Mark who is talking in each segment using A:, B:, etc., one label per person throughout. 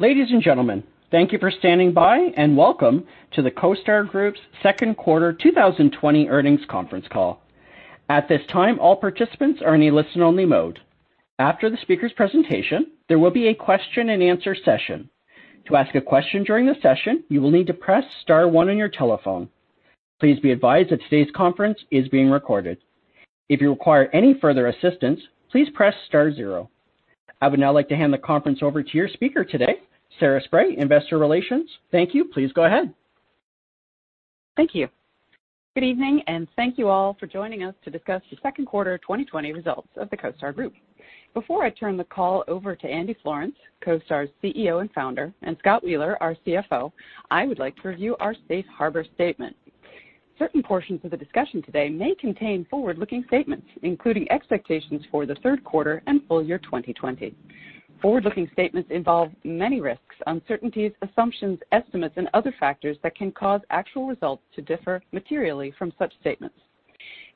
A: Ladies and gentlemen, thank you for standing by, and welcome to the CoStar Group's second quarter 2020 earnings conference call. At this time, all participants are in a listen-only mode. After the speaker's presentation, there will be a question and answer session. To ask a question during the session, you will need to press star one on your telephone. Please be advised that today's conference is being recorded. If you require any further assistance, please press star zero. I would now like to hand the conference over to your speaker today, Sarah Spray, Investor Relations. Thank you. Please go ahead.
B: Thank you. Good evening, and thank you all for joining us to discuss the second quarter 2020 results of the CoStar Group. Before I turn the call over to Andy Florance, CoStar's CEO and founder, and Scott Wheeler, our CFO, I would like to review our safe harbor statement. Certain portions of the discussion today may contain forward-looking statements, including expectations for the third quarter and full year 2020. Forward-looking statements involve many risks, uncertainties, assumptions, estimates, and other factors that can cause actual results to differ materially from such statements.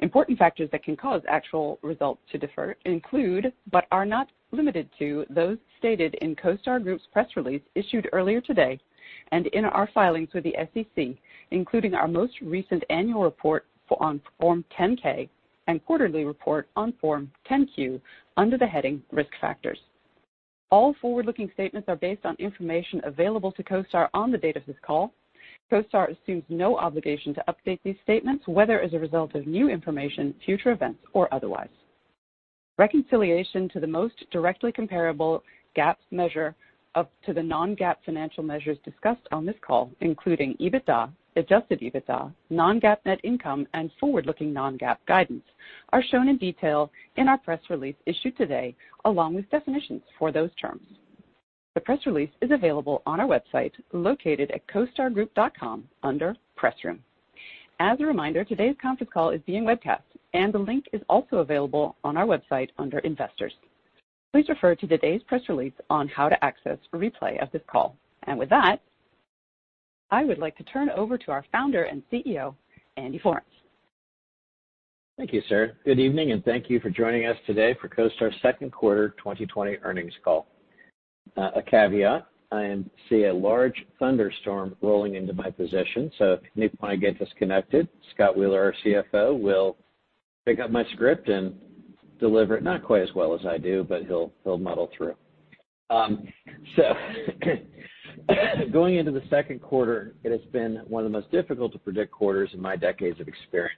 B: Important factors that can cause actual results to differ include, but are not limited to, those stated in CoStar Group's press release issued earlier today and in our filings with the SEC, including our most recent annual report on Form 10-K and quarterly report on Form 10-Q under the heading Risk Factors. All forward-looking statements are based on information available to CoStar on the date of this call. CoStar assumes no obligation to update these statements, whether as a result of new information, future events, or otherwise. Reconciliation to the most directly comparable GAAP measure up to the non-GAAP financial measures discussed on this call, including EBITDA, adjusted EBITDA, non-GAAP net income, and forward-looking non-GAAP guidance, are shown in detail in our press release issued today, along with definitions for those terms. The press release is available on our website, located at costargroup.com under Press Room. As a reminder, today's conference call is being webcast, and the link is also available on our website under Investors. Please refer to today's press release on how to access a replay of this call. With that, I would like to turn over to our Founder and CEO, Andy Florance.
C: Thank you, Sarah. Good evening, and thank you for joining us today for CoStar's second quarter 2020 earnings call. A caveat, I see a large thunderstorm rolling into my position, so at any point I get disconnected, Scott Wheeler, our CFO, will pick up my script and deliver it not quite as well as I do, but he'll muddle through. Going into the second quarter, it has been one of the most difficult-to-predict quarters in my decades of experience.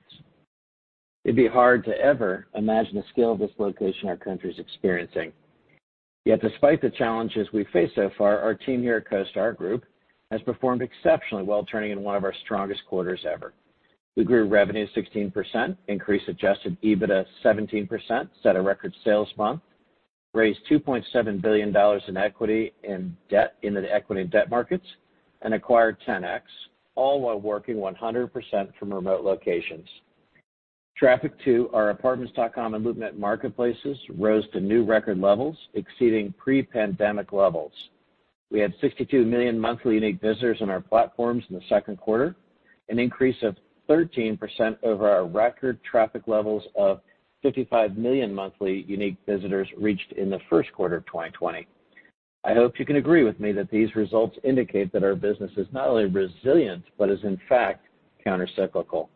C: It'd be hard to ever imagine the scale of dislocation our country's experiencing. Despite the challenges we face so far, our team here at CoStar Group has performed exceptionally well, turning in one of our strongest quarters ever. We grew revenue 16%, increased adjusted EBITDA 17%, set a record sales month, raised $2.7 billion in equity and debt into the equity and debt markets, and acquired Ten-X, all while working 100% from remote locations. Traffic to our Apartments.com and LoopNet marketplaces rose to new record levels, exceeding pre-pandemic levels. We had 62 million monthly unique visitors on our platforms in the second quarter, an increase of 13% over our record traffic levels of 55 million monthly unique visitors reached in the first quarter of 2020. I hope you can agree with me that these results indicate that our business is not only resilient, but is, in fact, countercyclical.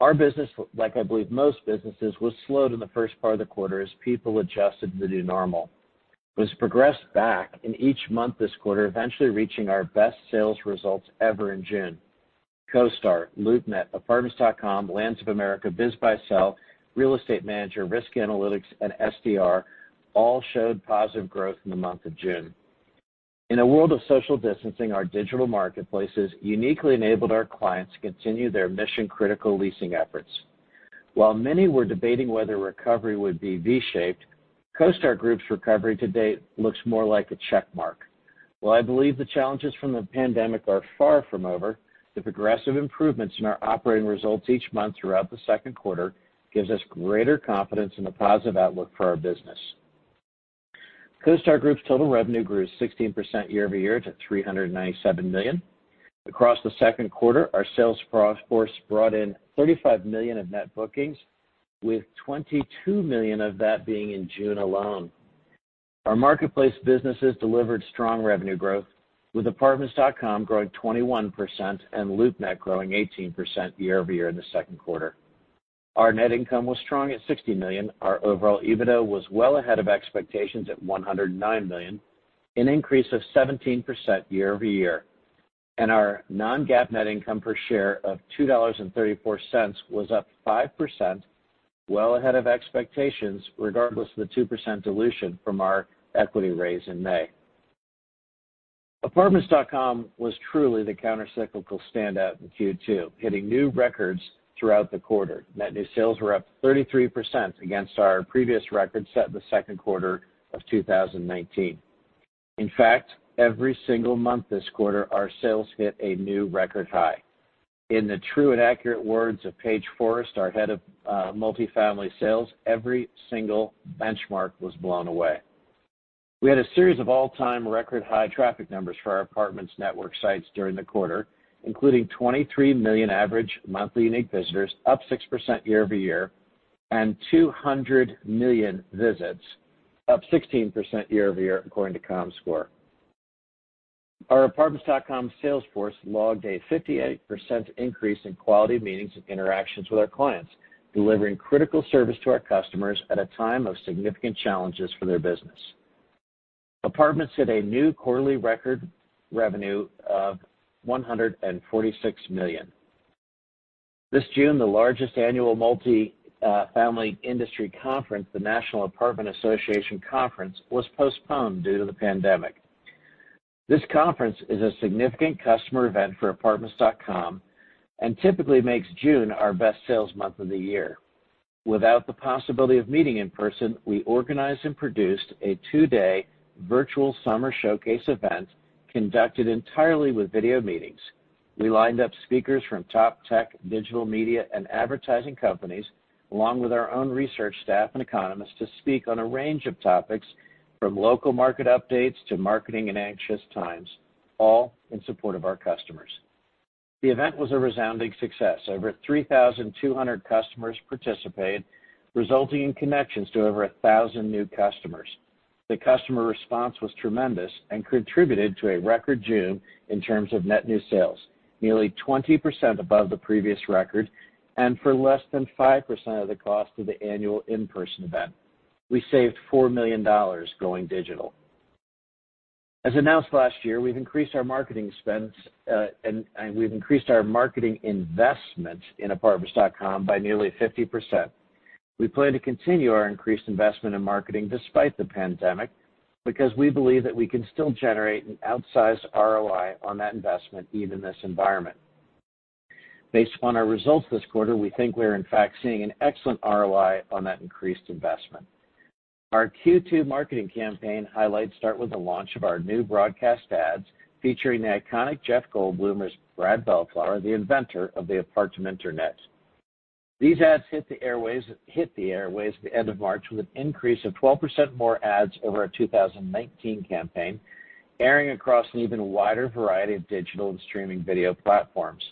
C: Our business, like I believe most businesses, was slow in the first part of the quarter as people adjusted to the new normal, but it's progressed back in each month this quarter, eventually reaching our best sales results ever in June. CoStar, LoopNet, Apartments.com, Lands of America, BizBuySell, Real Estate Manager, Risk Analytics, and STR all showed positive growth in the month of June. In a world of social distancing, our digital marketplaces uniquely enabled our clients to continue their mission-critical leasing efforts. While many were debating whether recovery would be V-shaped, CoStar Group's recovery to date looks more like a check mark. While I believe the challenges from the pandemic are far from over, the progressive improvements in our operating results each month throughout the second quarter gives us greater confidence in a positive outlook for our business. CoStar Group's total revenue grew 16% year-over-year to $397 million. Across the second quarter, our sales force brought in $35 million of net bookings, with $22 million of that being in June alone. Our marketplace businesses delivered strong revenue growth, with Apartments.com growing 21% and LoopNet growing 18% year-over-year in the second quarter. Our net income was strong at $60 million. Our overall EBITDA was well ahead of expectations at $109 million, an increase of 17% year-over-year. Our non-GAAP net income per share of $2.34 was up 5%, well ahead of expectations, regardless of the 2% dilution from our equity raise in May. Apartments.com was truly the countercyclical standout in Q2, hitting new records throughout the quarter. Net new sales were up 33% against our previous record set in the second quarter of 2019. In fact, every single month this quarter, our sales hit a new record high. In the true and accurate words of Paige Forrest, our head of multifamily sales, every single benchmark was blown away. We had a series of all-time record high traffic numbers for our Apartments network sites during the quarter, including 23 million average monthly unique visitors, up 6% year-over-year, 200 million visits, up 16% year-over-year according to Comscore. Our Apartments.com sales force logged a 58% increase in quality meetings and interactions with our clients, delivering critical service to our customers at a time of significant challenges for their business. Apartments hit a new quarterly record revenue of $146 million. This June, the largest annual multifamily industry conference, the National Apartment Association Conference, was postponed due to the pandemic. This conference is a significant customer event for Apartments.com, and typically makes June our best sales month of the year. Without the possibility of meeting in person, we organized and produced a two-day virtual summer showcase event conducted entirely with video meetings. We lined up speakers from top tech, digital media, and advertising companies, along with our own research staff and economists to speak on a range of topics from local market updates to marketing in anxious times, all in support of our customers. The event was a resounding success. Over 3,200 customers participated, resulting in connections to over 1,000 new customers. The customer response was tremendous and contributed to a record June in terms of net new sales, nearly 20% above the previous record, and for less than 5% of the cost of the annual in-person event. We saved $4 million going digital. As announced last year, we've increased our marketing investment in Apartments.com by nearly 50%. We plan to continue our increased investment in marketing despite the pandemic because we believe that we can still generate an outsized ROI on that investment, even in this environment. Based on our results this quarter, we think we are in fact seeing an excellent ROI on that increased investment. Our Q2 marketing campaign highlights start with the launch of our new broadcast ads featuring the iconic Jeff Goldblum as Brad Bellflower, the inventor of the Apartminternet. These ads hit the airwaves at the end of March with an increase of 12% more ads over our 2019 campaign, airing across an even wider variety of digital and streaming video platforms.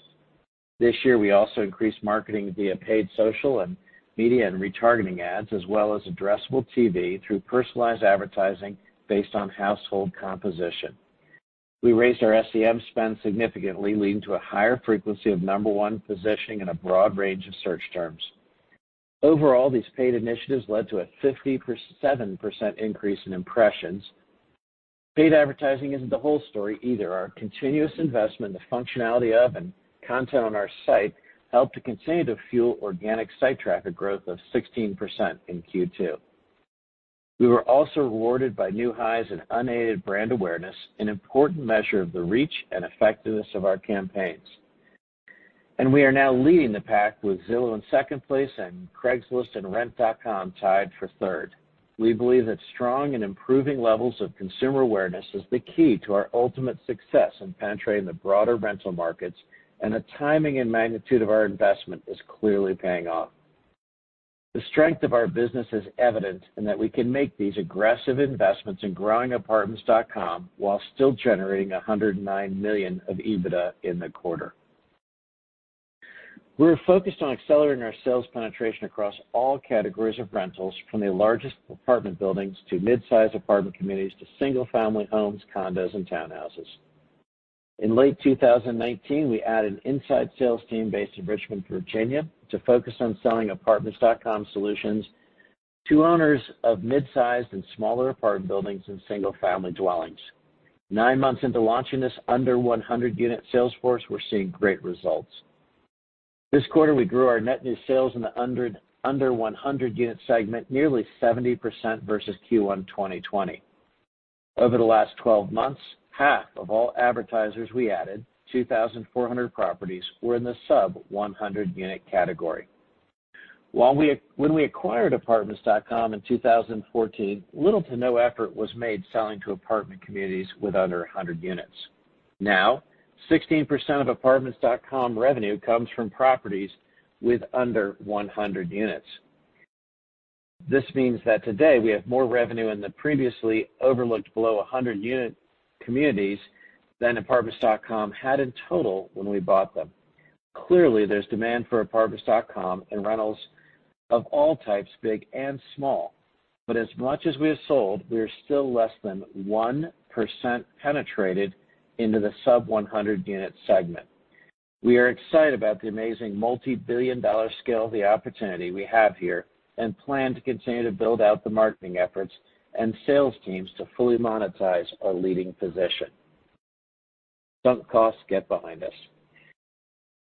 C: This year, we also increased marketing via paid social and media and retargeting ads, as well as addressable TV through personalized advertising based on household composition. We raised our SEM spend significantly, leading to a higher frequency of number one positioning in a broad range of search terms. Overall, these paid initiatives led to a 57% increase in impressions. Paid advertising isn't the whole story either. Our continuous investment in the functionality of and content on our site helped to continue to fuel organic site traffic growth of 16% in Q2. We were also rewarded by new highs in unaided brand awareness, an important measure of the reach and effectiveness of our campaigns. We are now leading the pack with Zillow in second place and Craigslist and Rent.com tied for third. We believe that strong and improving levels of consumer awareness is the key to our ultimate success in penetrating the broader rental markets, and the timing and magnitude of our investment is clearly paying off. The strength of our business is evident in that we can make these aggressive investments in growing Apartments.com while still generating $109 million of EBITDA in the quarter. We are focused on accelerating our sales penetration across all categories of rentals, from the largest apartment buildings to mid-size apartment communities to single-family homes, condos, and townhouses. In late 2019, we added an inside sales team based in Richmond, Virginia, to focus on selling Apartments.com solutions to owners of mid-sized and smaller apartment buildings and single-family dwellings. Nine months into launching this under 100-unit sales force, we're seeing great results. This quarter, we grew our net new sales in the under 100-unit segment nearly 70% versus Q1 2020. Over the last 12 months, half of all advertisers we added, 2,400 properties, were in the sub-100 unit category. When we acquired Apartments.com in 2014, little to no effort was made selling to apartment communities with under 100 units. 16% of Apartments.com revenue comes from properties with under 100 units. This means that today we have more revenue in the previously overlooked below 100 unit communities than Apartments.com had in total when we bought them. Clearly, there's demand for Apartments.com and rentals of all types, big and small. As much as we have sold, we are still less than 1% penetrated into the sub-100 unit segment. We are excited about the amazing multi-billion dollar scale of the opportunity we have here, and plan to continue to build out the marketing efforts and sales teams to fully monetize our leading position. Sunk costs get behind us.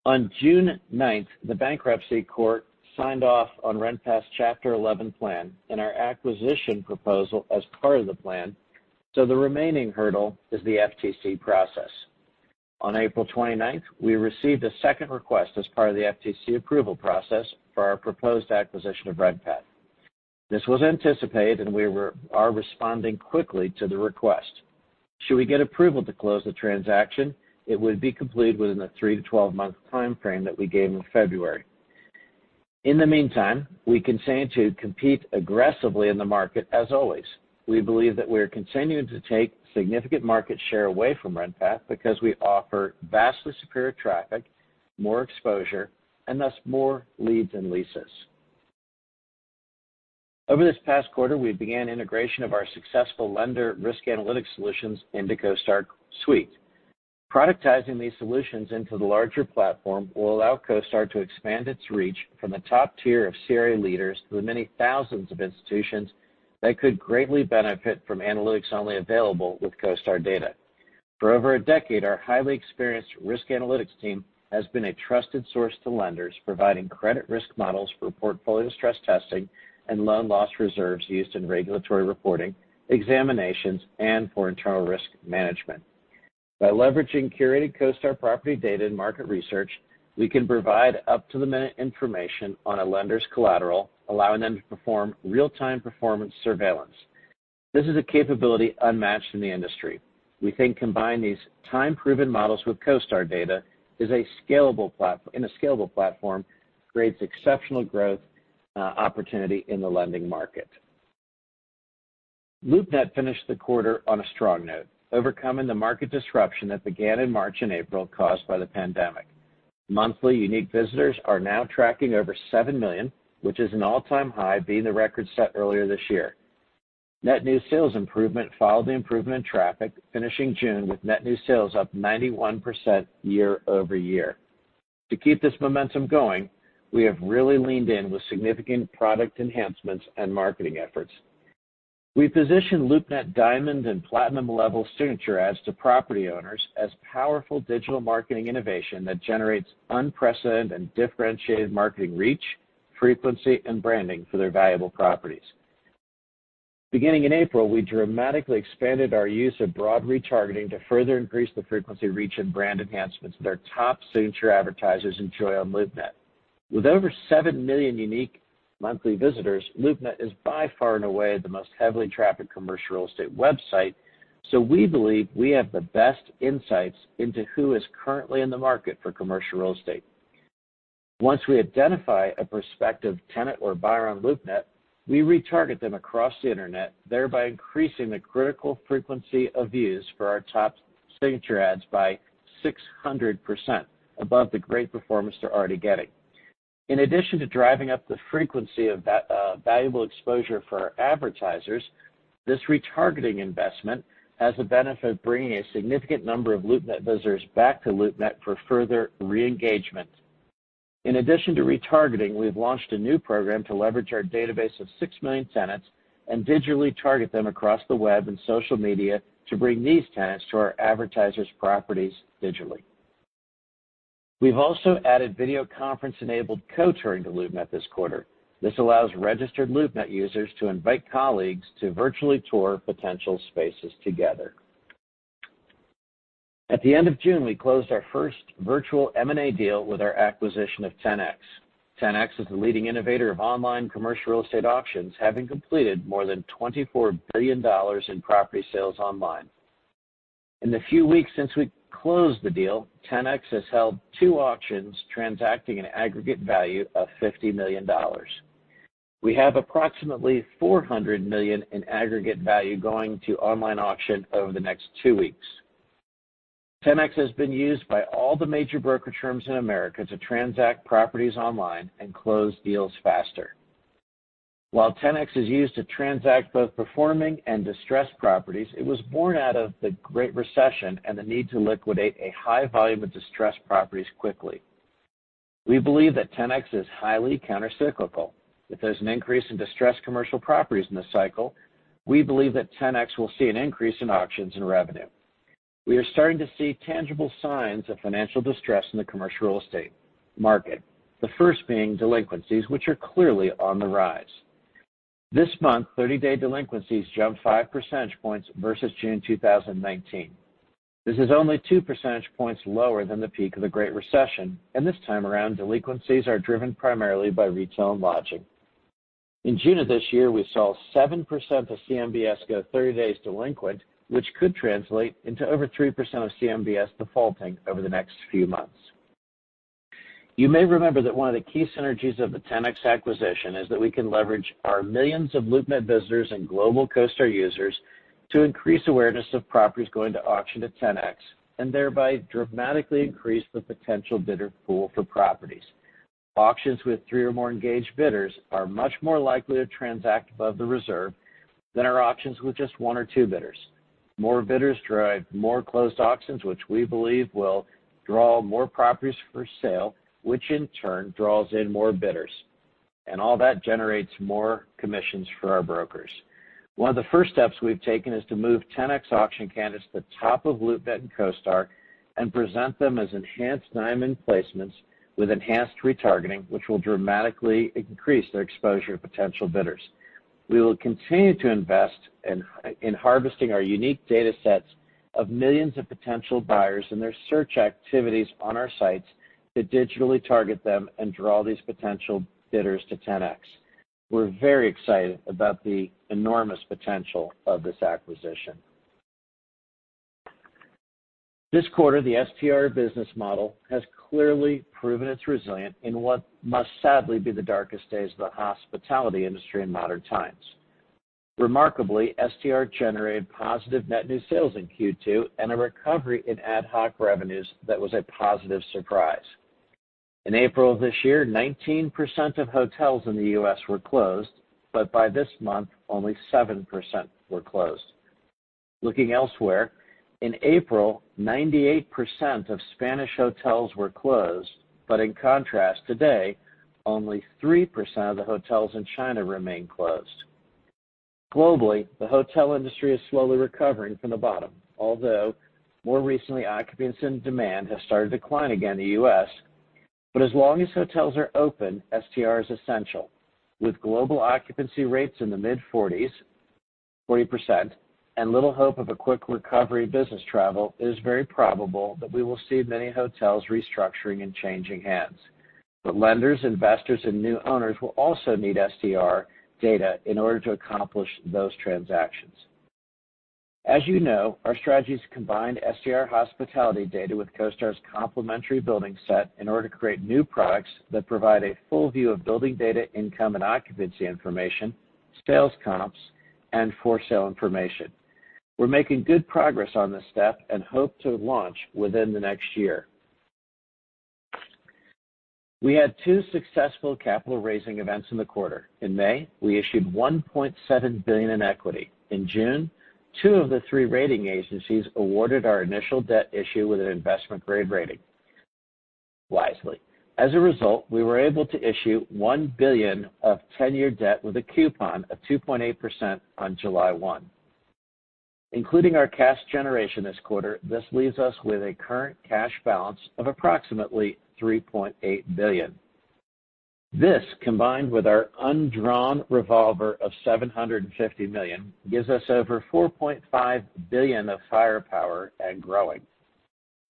C: On June 9th, the bankruptcy court signed off on RentPath's Chapter 11 plan and our acquisition proposal as part of the plan. The remaining hurdle is the FTC process. On April 29th, we received a second request as part of the FTC approval process for our proposed acquisition of RentPath. This was anticipated. We are responding quickly to the request. Should we get approval to close the transaction, it would be completed within the 3-12 month timeframe that we gave in February. In the meantime, we continue to compete aggressively in the market as always. We believe that we are continuing to take significant market share away from RentPath because we offer vastly superior traffic, more exposure, and thus more leads and leases. Over this past quarter, we began integration of our successful Risk Analytics solutions into CoStar Suite. Productizing these solutions into the larger platform will allow CoStar to expand its reach from the top tier of CRE leaders to the many thousands of institutions that could greatly benefit from analytics only available with CoStar data. For over a decade, our highly experienced risk analytics team has been a trusted source to lenders, providing credit risk models for portfolio stress testing and loan loss reserves used in regulatory reporting, examinations, and for internal risk management. By leveraging curated CoStar property data and market research, we can provide up-to-the-minute information on a lender's collateral, allowing them to perform real-time performance surveillance. This is a capability unmatched in the industry. We think combining these time-proven models with CoStar data in a scalable platform creates exceptional growth opportunity in the lending market. LoopNet finished the quarter on a strong note, overcoming the market disruption that began in March and April caused by the pandemic. Monthly unique visitors are now tracking over seven million, which is an all-time high, beating the record set earlier this year. Net new sales improvement followed the improvement in traffic, finishing June with net new sales up 91% year-over-year. To keep this momentum going, we have really leaned in with significant product enhancements and marketing efforts. We positioned LoopNet Diamond and Platinum-level signature ads to property owners as powerful digital marketing innovation that generates unprecedented and differentiated marketing reach, frequency, and branding for their valuable properties. Beginning in April, we dramatically expanded our use of broad retargeting to further increase the frequency reach and brand enhancements that our top signature advertisers enjoy on LoopNet. With over seven million unique monthly visitors, LoopNet is by far and away the most heavily trafficked commercial real estate website. We believe we have the best insights into who is currently in the market for commercial real estate. Once we identify a prospective tenant or buyer on LoopNet, we retarget them across the internet, thereby increasing the critical frequency of views for our top signature ads by 600% above the great performance they're already getting. In addition to driving up the frequency of valuable exposure for our advertisers, this retargeting investment has the benefit of bringing a significant number of LoopNet visitors back to LoopNet for further re-engagement. In addition to retargeting, we've launched a new program to leverage our database of six million tenants and digitally target them across the web and social media to bring these tenants to our advertisers' properties digitally. We've also added video conference-enabled co-touring to LoopNet this quarter. This allows registered LoopNet users to invite colleagues to virtually tour potential spaces together. At the end of June, we closed our first virtual M&A deal with our acquisition of Ten-X. Ten-X is the leading innovator of online commercial real estate auctions, having completed more than $24 billion in property sales online. In the few weeks since we closed the deal, Ten-X has held two auctions transacting an aggregate value of $50 million. We have approximately $400 million in aggregate value going to online auction over the next two weeks. Ten-X has been used by all the major brokerage firms in America to transact properties online and close deals faster. While Ten-X is used to transact both performing and distressed properties, it was born out of the Great Recession and the need to liquidate a high volume of distressed properties quickly. We believe that Ten-X is highly countercyclical. If there's an increase in distressed commercial properties in this cycle, we believe that Ten-X will see an increase in auctions and revenue. We are starting to see tangible signs of financial distress in the commercial real estate market, the first being delinquencies, which are clearly on the rise. This month, 30-day delinquencies jumped 5 percentage points versus June 2019. This is only 2 percentage points lower than the peak of the Great Recession, this time around, delinquencies are driven primarily by retail and lodging. In June of this year, we saw 7% of CMBS go 30 days delinquent, which could translate into over 3% of CMBS defaulting over the next few months. You may remember that one of the key synergies of the Ten-X acquisition is that we can leverage our millions of LoopNet visitors and global CoStar users to increase awareness of properties going to auction to Ten-X, thereby dramatically increase the potential bidder pool for properties. Auctions with three or more engaged bidders are much more likely to transact above the reserve than our auctions with just one or two bidders. More bidders drive more closed auctions, which we believe will draw more properties for sale, which in turn draws in more bidders. All that generates more commissions for our brokers. One of the first steps we've taken is to move Ten-X auction candidates to the top of LoopNet and CoStar and present them as enhanced diamond placements with enhanced retargeting, which will dramatically increase their exposure to potential bidders. We will continue to invest in harvesting our unique data sets of millions of potential buyers and their search activities on our sites to digitally target them and draw these potential bidders to Ten-X. We're very excited about the enormous potential of this acquisition. This quarter, the STR business model has clearly proven its resilience in what must sadly be the darkest days of the hospitality industry in modern times. Remarkably, STR generated positive net new sales in Q2 and a recovery in ad hoc revenues that was a positive surprise. In April of this year, 19% of hotels in the U.S. were closed, but by this month, only 7% were closed. Looking elsewhere, in April, 98% of Spanish hotels were closed. In contrast, today, only 3% of the hotels in China remain closed. Globally, the hotel industry is slowly recovering from the bottom, although more recently, occupancy and demand have started to decline again in the U.S. As long as hotels are open, STR is essential. With global occupancy rates in the mid-40s, 40%, and little hope of a quick recovery business travel, it is very probable that we will see many hotels restructuring and changing hands. Lenders, investors, and new owners will also need STR data in order to accomplish those transactions. As you know, our strategy is to combine STR hospitality data with CoStar's complementary building set in order to create new products that provide a full view of building data income and occupancy information, sales comps, and for sale information. We're making good progress on this step and hope to launch within the next year. We had two successful capital-raising events in the quarter. In May, we issued $1.7 billion in equity. In June, two of the three rating agencies awarded our initial debt issue with an investment-grade rating. Wisely. As a result, we were able to issue $1 billion of 10-year debt with a coupon of 2.8% on July 1. Including our cash generation this quarter, this leaves us with a current cash balance of approximately $3.8 billion. This, combined with our undrawn revolver of $750 million, gives us over $4.5 billion of firepower and growing.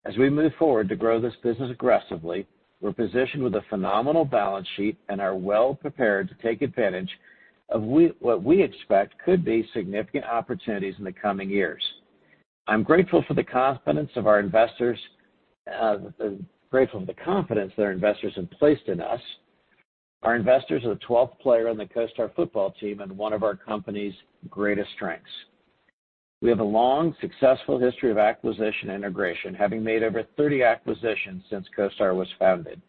C: As we move forward to grow this business aggressively, we're positioned with a phenomenal balance sheet and are well prepared to take advantage of what we expect could be significant opportunities in the coming years. I'm grateful for the confidence that our investors have placed in us. Our investors are the 12th player on the CoStar football team and one of our company's greatest strengths. We have a long, successful history of acquisition integration, having made over 30 acquisitions since CoStar was founded.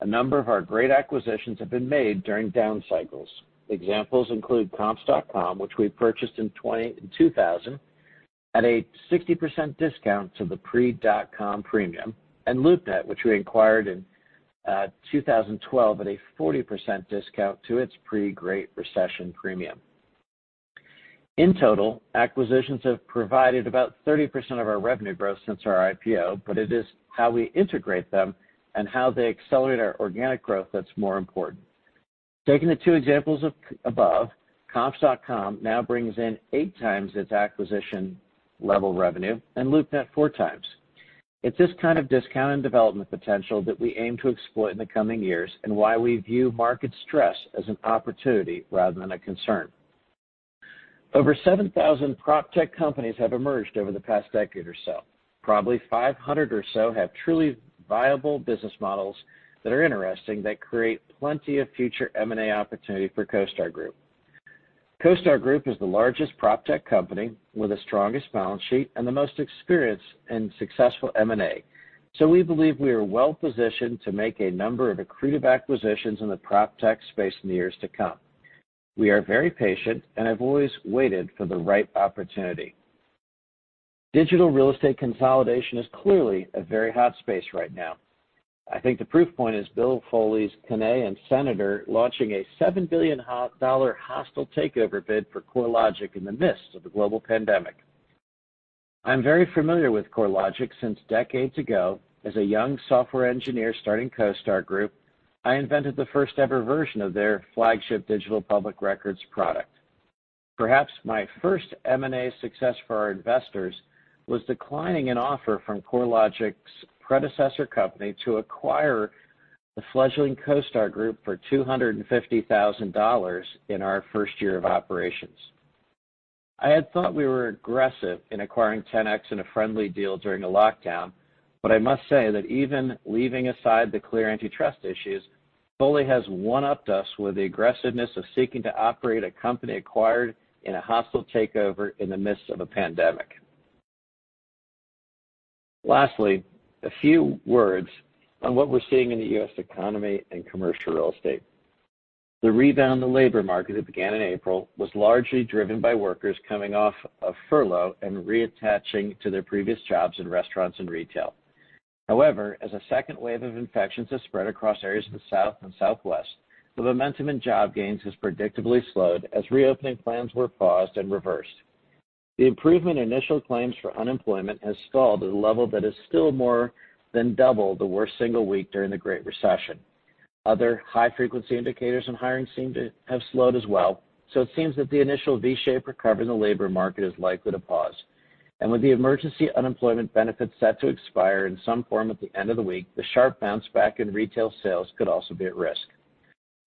C: A number of our great acquisitions have been made during down cycles. Examples include COMPS.COM, which we purchased in 2000 at a 60% discount to the pre-dot-com premium, and LoopNet, which we acquired in 2012 at a 40% discount to its pre-Great Recession premium. In total, acquisitions have provided about 30% of our revenue growth since our IPO, but it is how we integrate them and how they accelerate our organic growth that's more important. Taking the two examples above, COMPS.COM now brings in eight times its acquisition level revenue, and LoopNet four times. It's this kind of discount and development potential that we aim to exploit in the coming years and why we view market stress as an opportunity rather than a concern. Over 7,000 proptech companies have emerged over the past decade or so. Probably 500 or so have truly viable business models that are interesting, that create plenty of future M&A opportunity for CoStar Group. CoStar Group is the largest proptech company with the strongest balance sheet and the most experience in successful M&A. We believe we are well-positioned to make a number of accretive acquisitions in the proptech space in the years to come. We are very patient and have always waited for the right opportunity. Digital real estate consolidation is clearly a very hot space right now. I think the proof point is Bill Foley's Cannae and Senator launching a $7 billion hostile takeover bid for CoreLogic in the midst of the global pandemic. I'm very familiar with CoreLogic since decades ago, as a young software engineer starting CoStar Group, I invented the first-ever version of their flagship digital public records product. Perhaps my first M&A success for our investors was declining an offer from CoreLogic's predecessor company to acquire the fledgling CoStar Group for $250,000 in our first year of operations. I had thought we were aggressive in acquiring Ten-X in a friendly deal during a lockdown. I must say that even leaving aside the clear antitrust issues, Foley has one-upped us with the aggressiveness of seeking to operate a company acquired in a hostile takeover in the midst of a pandemic. Lastly, a few words on what we're seeing in the U.S. economy and commercial real estate. The rebound in the labor market that began in April was largely driven by workers coming off of furlough and reattaching to their previous jobs in restaurants and retail. However, as a second wave of infections has spread across areas of the South and Southwest, the momentum in job gains has predictably slowed as reopening plans were paused and reversed. The improvement in initial claims for unemployment has stalled at a level that is still more than double the worst single week during the Great Recession. Other high-frequency indicators in hiring seem to have slowed as well, so it seems that the initial V-shaped recovery in the labor market is likely to pause. With the emergency unemployment benefits set to expire in some form at the end of the week, the sharp bounce back in retail sales could also be at risk.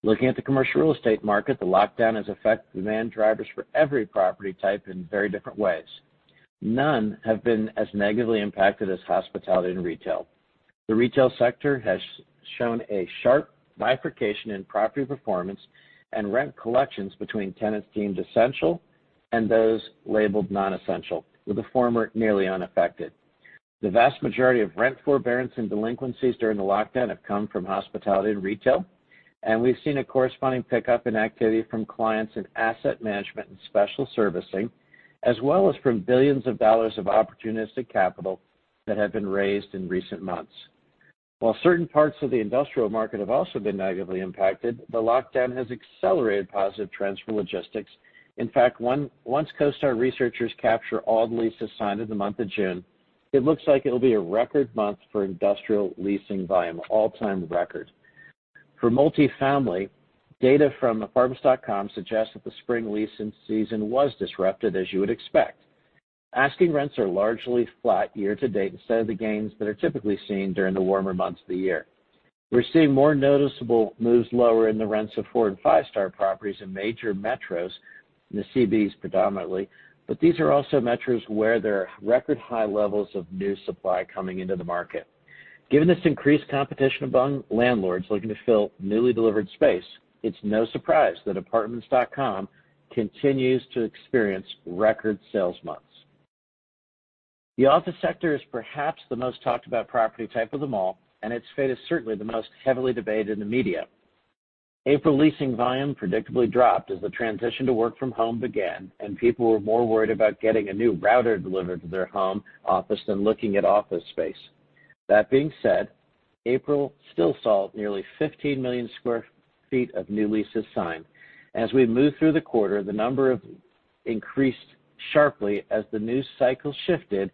C: Looking at the commercial real estate market, the lockdown has affected demand drivers for every property type in very different ways. None have been as negatively impacted as hospitality and retail. The retail sector has shown a sharp bifurcation in property performance and rent collections between tenants deemed essential and those labeled non-essential, with the former nearly unaffected. The vast majority of rent forbearance and delinquencies during the lockdown have come from hospitality and retail, and we've seen a corresponding pickup in activity from clients in asset management and special servicing, as well as from billions of dollars of opportunistic capital that have been raised in recent months. While certain parts of the industrial market have also been negatively impacted, the lockdown has accelerated positive trends for logistics. In fact, once CoStar researchers capture all the leases signed in the month of June, it looks like it'll be a record month for industrial leasing volume, all-time record. For multifamily, data from Apartments.com suggests that the spring leasing season was disrupted, as you would expect. Asking rents are largely flat year to date, instead of the gains that are typically seen during the warmer months of the year. We're seeing more noticeable moves lower in the rents of four and five-star properties in major metros, in the CBDs predominantly, but these are also metros where there are record high levels of new supply coming into the market. Given this increased competition among landlords looking to fill newly delivered space, it's no surprise that Apartments.com continues to experience record sales months. The office sector is perhaps the most talked about property type of them all, and its fate is certainly the most heavily debated in the media. April leasing volume predictably dropped as the transition to work from home began, and people were more worried about getting a new router delivered to their home office than looking at office space. That being said, April still saw nearly 15 million square feet of new leases signed. As we moved through the quarter, the number increased sharply as the news cycle shifted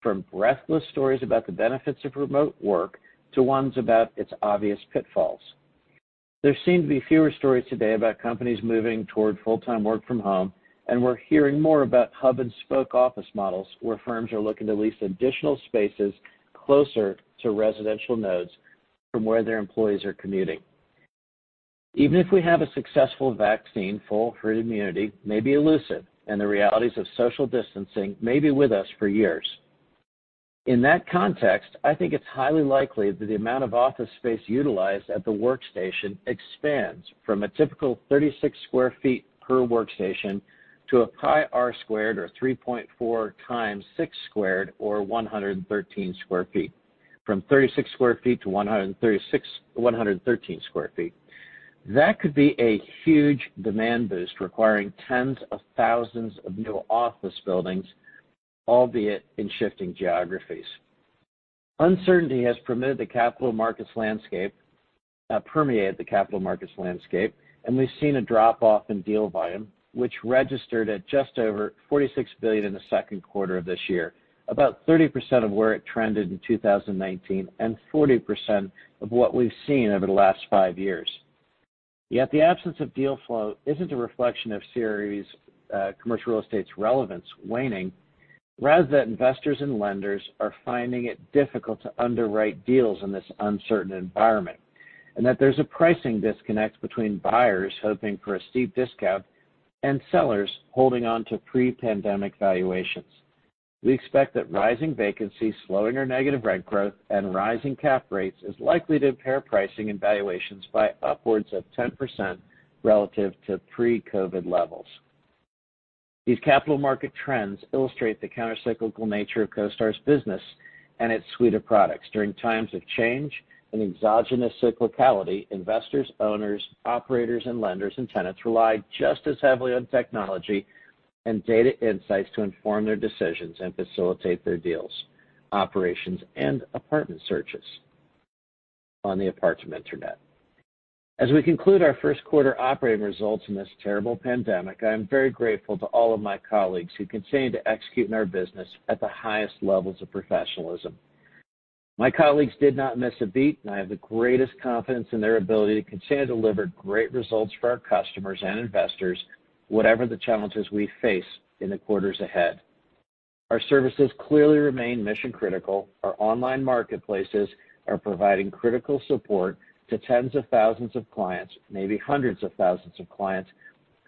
C: from breathless stories about the benefits of remote work to ones about its obvious pitfalls. There seem to be fewer stories today about companies moving toward full-time work from home, and we're hearing more about hub and spoke office models, where firms are looking to lease additional spaces closer to residential nodes from where their employees are commuting. Even if we have a successful vaccine, full herd immunity may be elusive, and the realities of social distancing may be with us for years. In that context, I think it's highly likely that the amount of office space utilized at the workstation expands from a typical 36 sq ft per workstation to a πr squared, or 3.4 x 6 squared, or 113 sq ft. From 36 sq ft to 113 sq ft. That could be a huge demand boost, requiring tens of thousands of new office buildings, albeit in shifting geographies. Uncertainty has permeated the capital markets landscape, we've seen a drop-off in deal volume, which registered at just over $46 billion in the second quarter of this year, about 30% of where it trended in 2019, and 40% of what we've seen over the last five years. The absence of deal flow isn't a reflection of commercial real estate's relevance waning. That investors and lenders are finding it difficult to underwrite deals in this uncertain environment, and that there's a pricing disconnect between buyers hoping for a steep discount and sellers holding on to pre-pandemic valuations. We expect that rising vacancies, slowing or negative rent growth, and rising cap rates is likely to impair pricing and valuations by upwards of 10% relative to pre-COVID levels. These capital market trends illustrate the countercyclical nature of CoStar's business and its suite of products. During times of change and exogenous cyclicality, investors, owners, operators, and lenders and tenants rely just as heavily on technology and data insights to inform their decisions and facilitate their deals, operations, and apartment searches on the Apartminternet. As we conclude our first quarter operating results in this terrible pandemic, I am very grateful to all of my colleagues who continue to execute in our business at the highest levels of professionalism. My colleagues did not miss a beat, and I have the greatest confidence in their ability to continue to deliver great results for our customers and investors, whatever the challenges we face in the quarters ahead. Our services clearly remain mission-critical. Our online marketplaces are providing critical support to tens of thousands of clients, maybe hundreds of thousands of clients,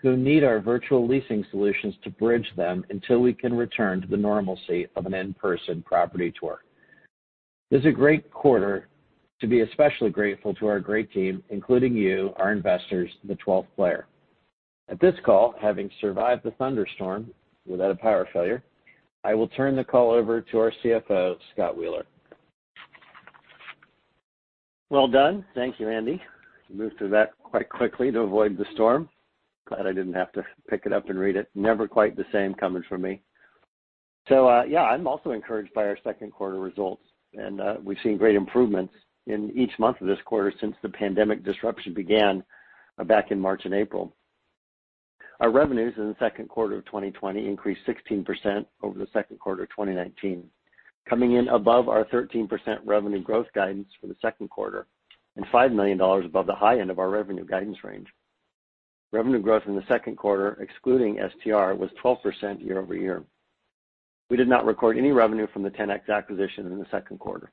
C: who need our virtual leasing solutions to bridge them until we can return to the normalcy of an in-person property tour. It is a great quarter to be especially grateful to our great team, including you, our investors, the 12th player. At this call, having survived the thunderstorm without a power failure, I will turn the call over to our CFO, Scott Wheeler.
D: Well done. Thank you, Andy. I moved through that quite quickly to avoid the storm. Glad I didn't have to pick it up and read it. Never quite the same coming from me. Yeah, I'm also encouraged by our second quarter results. We've seen great improvements in each month of this quarter since the pandemic disruption began back in March and April. Our revenues in the second quarter of 2020 increased 16% over the second quarter of 2019, coming in above our 13% revenue growth guidance for the second quarter and $5 million above the high end of our revenue guidance range. Revenue growth in the second quarter, excluding STR, was 12% year-over-year. We did not record any revenue from the Ten-X acquisition in the second quarter.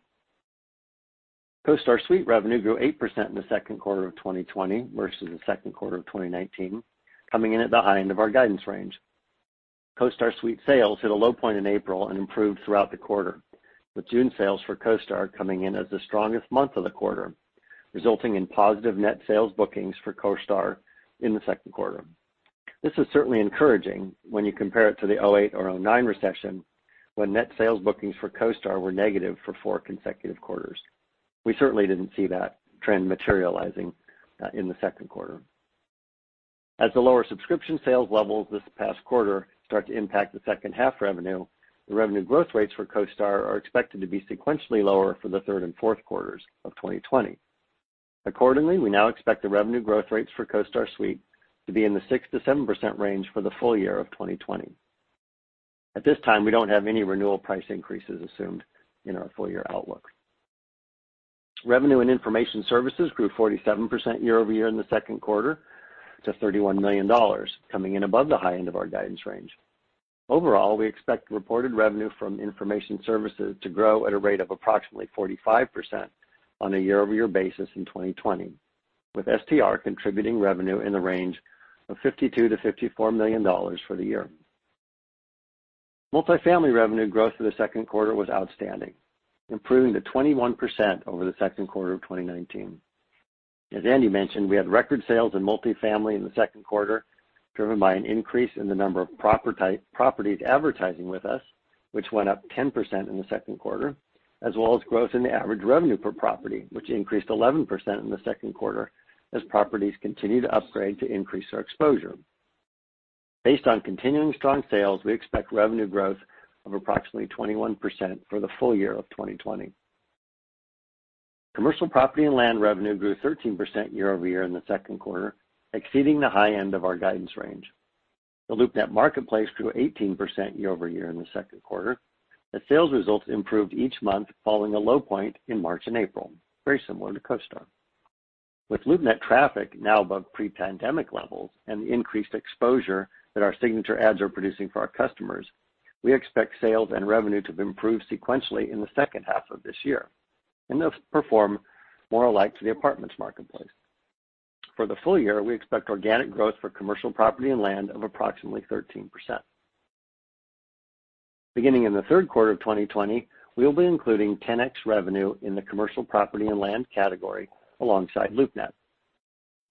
D: CoStar Suite revenue grew 8% in the second quarter of 2020 versus the second quarter of 2019, coming in at the high end of our guidance range. CoStar Suite sales hit a low point in April and improved throughout the quarter, with June sales for CoStar coming in as the strongest month of the quarter, resulting in positive net sales bookings for CoStar in the second quarter. This is certainly encouraging when you compare it to the 2008 or 2009 recession, when net sales bookings for CoStar were negative for four consecutive quarters. We certainly didn't see that trend materializing in the second quarter. As the lower subscription sales levels this past quarter start to impact the second half revenue, the revenue growth rates for CoStar are expected to be sequentially lower for the third and fourth quarters of 2020. Accordingly, we now expect the revenue growth rates for CoStar Suite to be in the 6%-7% range for the full year of 2020. At this time, we don't have any renewal price increases assumed in our full-year outlook. Revenue and information services grew 47% year-over-year in the second quarter to $31 million, coming in above the high end of our guidance range. Overall, we expect reported revenue from information services to grow at a rate of approximately 45% on a year-over-year basis in 2020, with STR contributing revenue in the range of $52 million-$54 million for the year. Multifamily revenue growth for the second quarter was outstanding, improving to 21% over the second quarter of 2019. As Andy mentioned, we had record sales in multifamily in the second quarter, driven by an increase in the number of properties advertising with us, which went up 10% in the second quarter, as well as growth in the average revenue per property, which increased 11% in the second quarter as properties continue to upgrade to increase their exposure. Based on continuing strong sales, we expect revenue growth of approximately 21% for the full year of 2020. Commercial property and land revenue grew 13% year-over-year in the second quarter, exceeding the high end of our guidance range. The LoopNet marketplace grew 18% year-over-year in the second quarter, as sales results improved each month following a low point in March and April, very similar to CoStar. With LoopNet traffic now above pre-pandemic levels and the increased exposure that our signature ads are producing for our customers, we expect sales and revenue to improve sequentially in the second half of this year, and they'll perform more alike to the apartments marketplace. For the full year, we expect organic growth for commercial property and land of approximately 13%. Beginning in the third quarter of 2020, we'll be including Ten-X revenue in the commercial property and land category alongside LoopNet,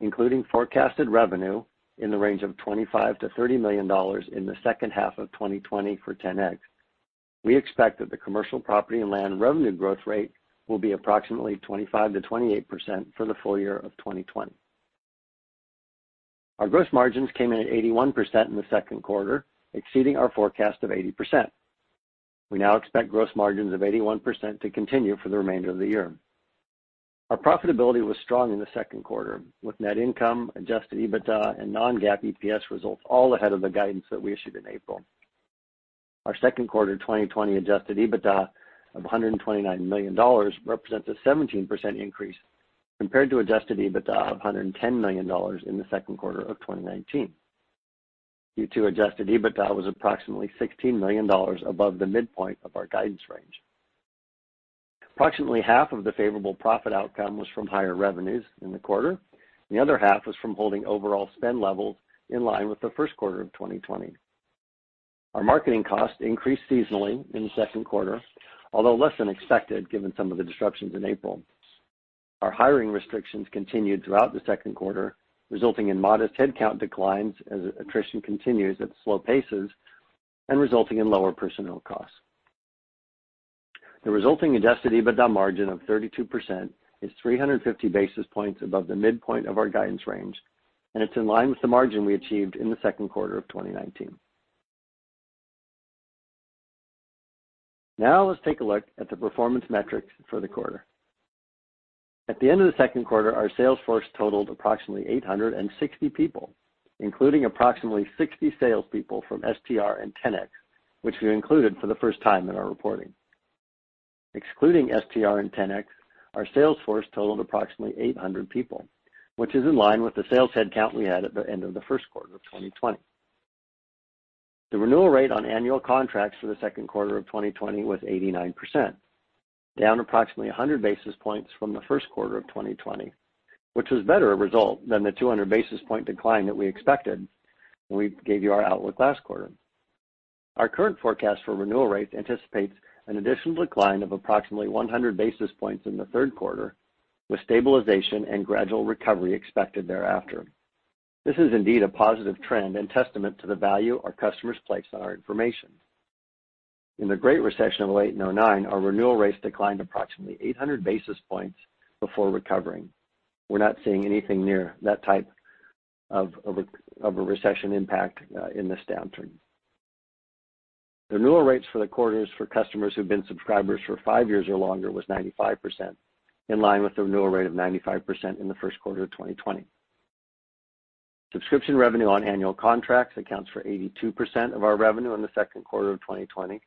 D: including forecasted revenue in the range of $25 million-$30 million in the second half of 2020 for Ten-X. We expect that the commercial property and land revenue growth rate will be approximately 25%-28% for the full year of 2020. Our gross margins came in at 81% in the second quarter, exceeding our forecast of 80%. We now expect gross margins of 81% to continue for the remainder of the year. Our profitability was strong in the second quarter, with net income, adjusted EBITDA, and non-GAAP EPS results all ahead of the guidance that we issued in April. Our second quarter 2020 adjusted EBITDA of $129 million represents a 17% increase compared to adjusted EBITDA of $110 million in the second quarter of 2019. Q2 adjusted EBITDA was approximately $16 million above the midpoint of our guidance range. Approximately half of the favorable profit outcome was from higher revenues in the quarter. The other half was from holding overall spend levels in line with the first quarter of 2020. Our marketing costs increased seasonally in the second quarter, although less than expected given some of the disruptions in April. Our hiring restrictions continued throughout the second quarter, resulting in modest headcount declines as attrition continues at slow paces and resulting in lower personnel costs. The resulting adjusted EBITDA margin of 32% is 350 basis points above the midpoint of our guidance range, and it's in line with the margin we achieved in the second quarter of 2019. Let's take a look at the performance metrics for the quarter. At the end of the second quarter, our sales force totaled approximately 860 people, including approximately 60 salespeople from STR and Ten-X, which we included for the first time in our reporting. Excluding STR and Ten-X, our sales force totaled approximately 800 people, which is in line with the sales headcount we had at the end of the first quarter of 2020. The renewal rate on annual contracts for the second quarter of 2020 was 89%, down approximately 100 basis points from the first quarter of 2020, which was a better result than the 200 basis point decline that we expected when we gave you our outlook last quarter. Our current forecast for renewal rates anticipates an additional decline of approximately 100 basis points in the third quarter, with stabilization and gradual recovery expected thereafter. This is indeed a positive trend and testament to the value our customers place on our information. In the Great Recession of 2008 and 2009, our renewal rates declined approximately 800 basis points before recovering. We're not seeing anything near that type of a recession impact in this downturn. The renewal rates for the quarters for customers who've been subscribers for five years or longer was 95%, in line with the renewal rate of 95% in the first quarter of 2020. Subscription revenue on annual contracts accounts for 82% of our revenue in the second quarter of 2020,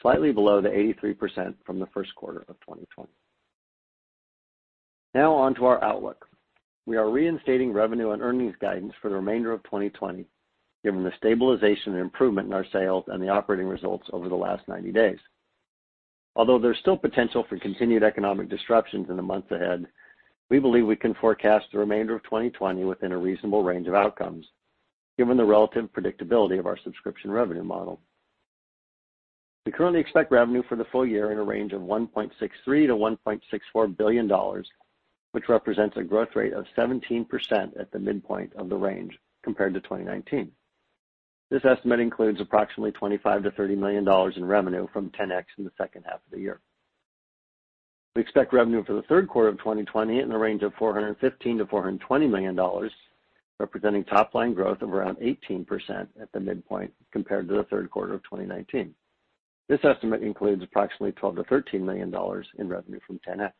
D: slightly below the 83% from the first quarter of 2020. Now, on to our outlook. We are reinstating revenue and earnings guidance for the remainder of 2020, given the stabilization and improvement in our sales and the operating results over the last 90 days. Although there's still potential for continued economic disruptions in the months ahead, we believe we can forecast the remainder of 2020 within a reasonable range of outcomes, given the relative predictability of our subscription revenue model. We currently expect revenue for the full year in a range of $1.63 billion-$1.64 billion, which represents a growth rate of 17% at the midpoint of the range compared to 2019. This estimate includes approximately $25 million-$30 million in revenue from Ten-X in the second half of the year. We expect revenue for the third quarter of 2020 in the range of $415 million-$420 million, representing top-line growth of around 18% at the midpoint compared to the third quarter of 2019. This estimate includes approximately $12 million-$13 million in revenue from Ten-X.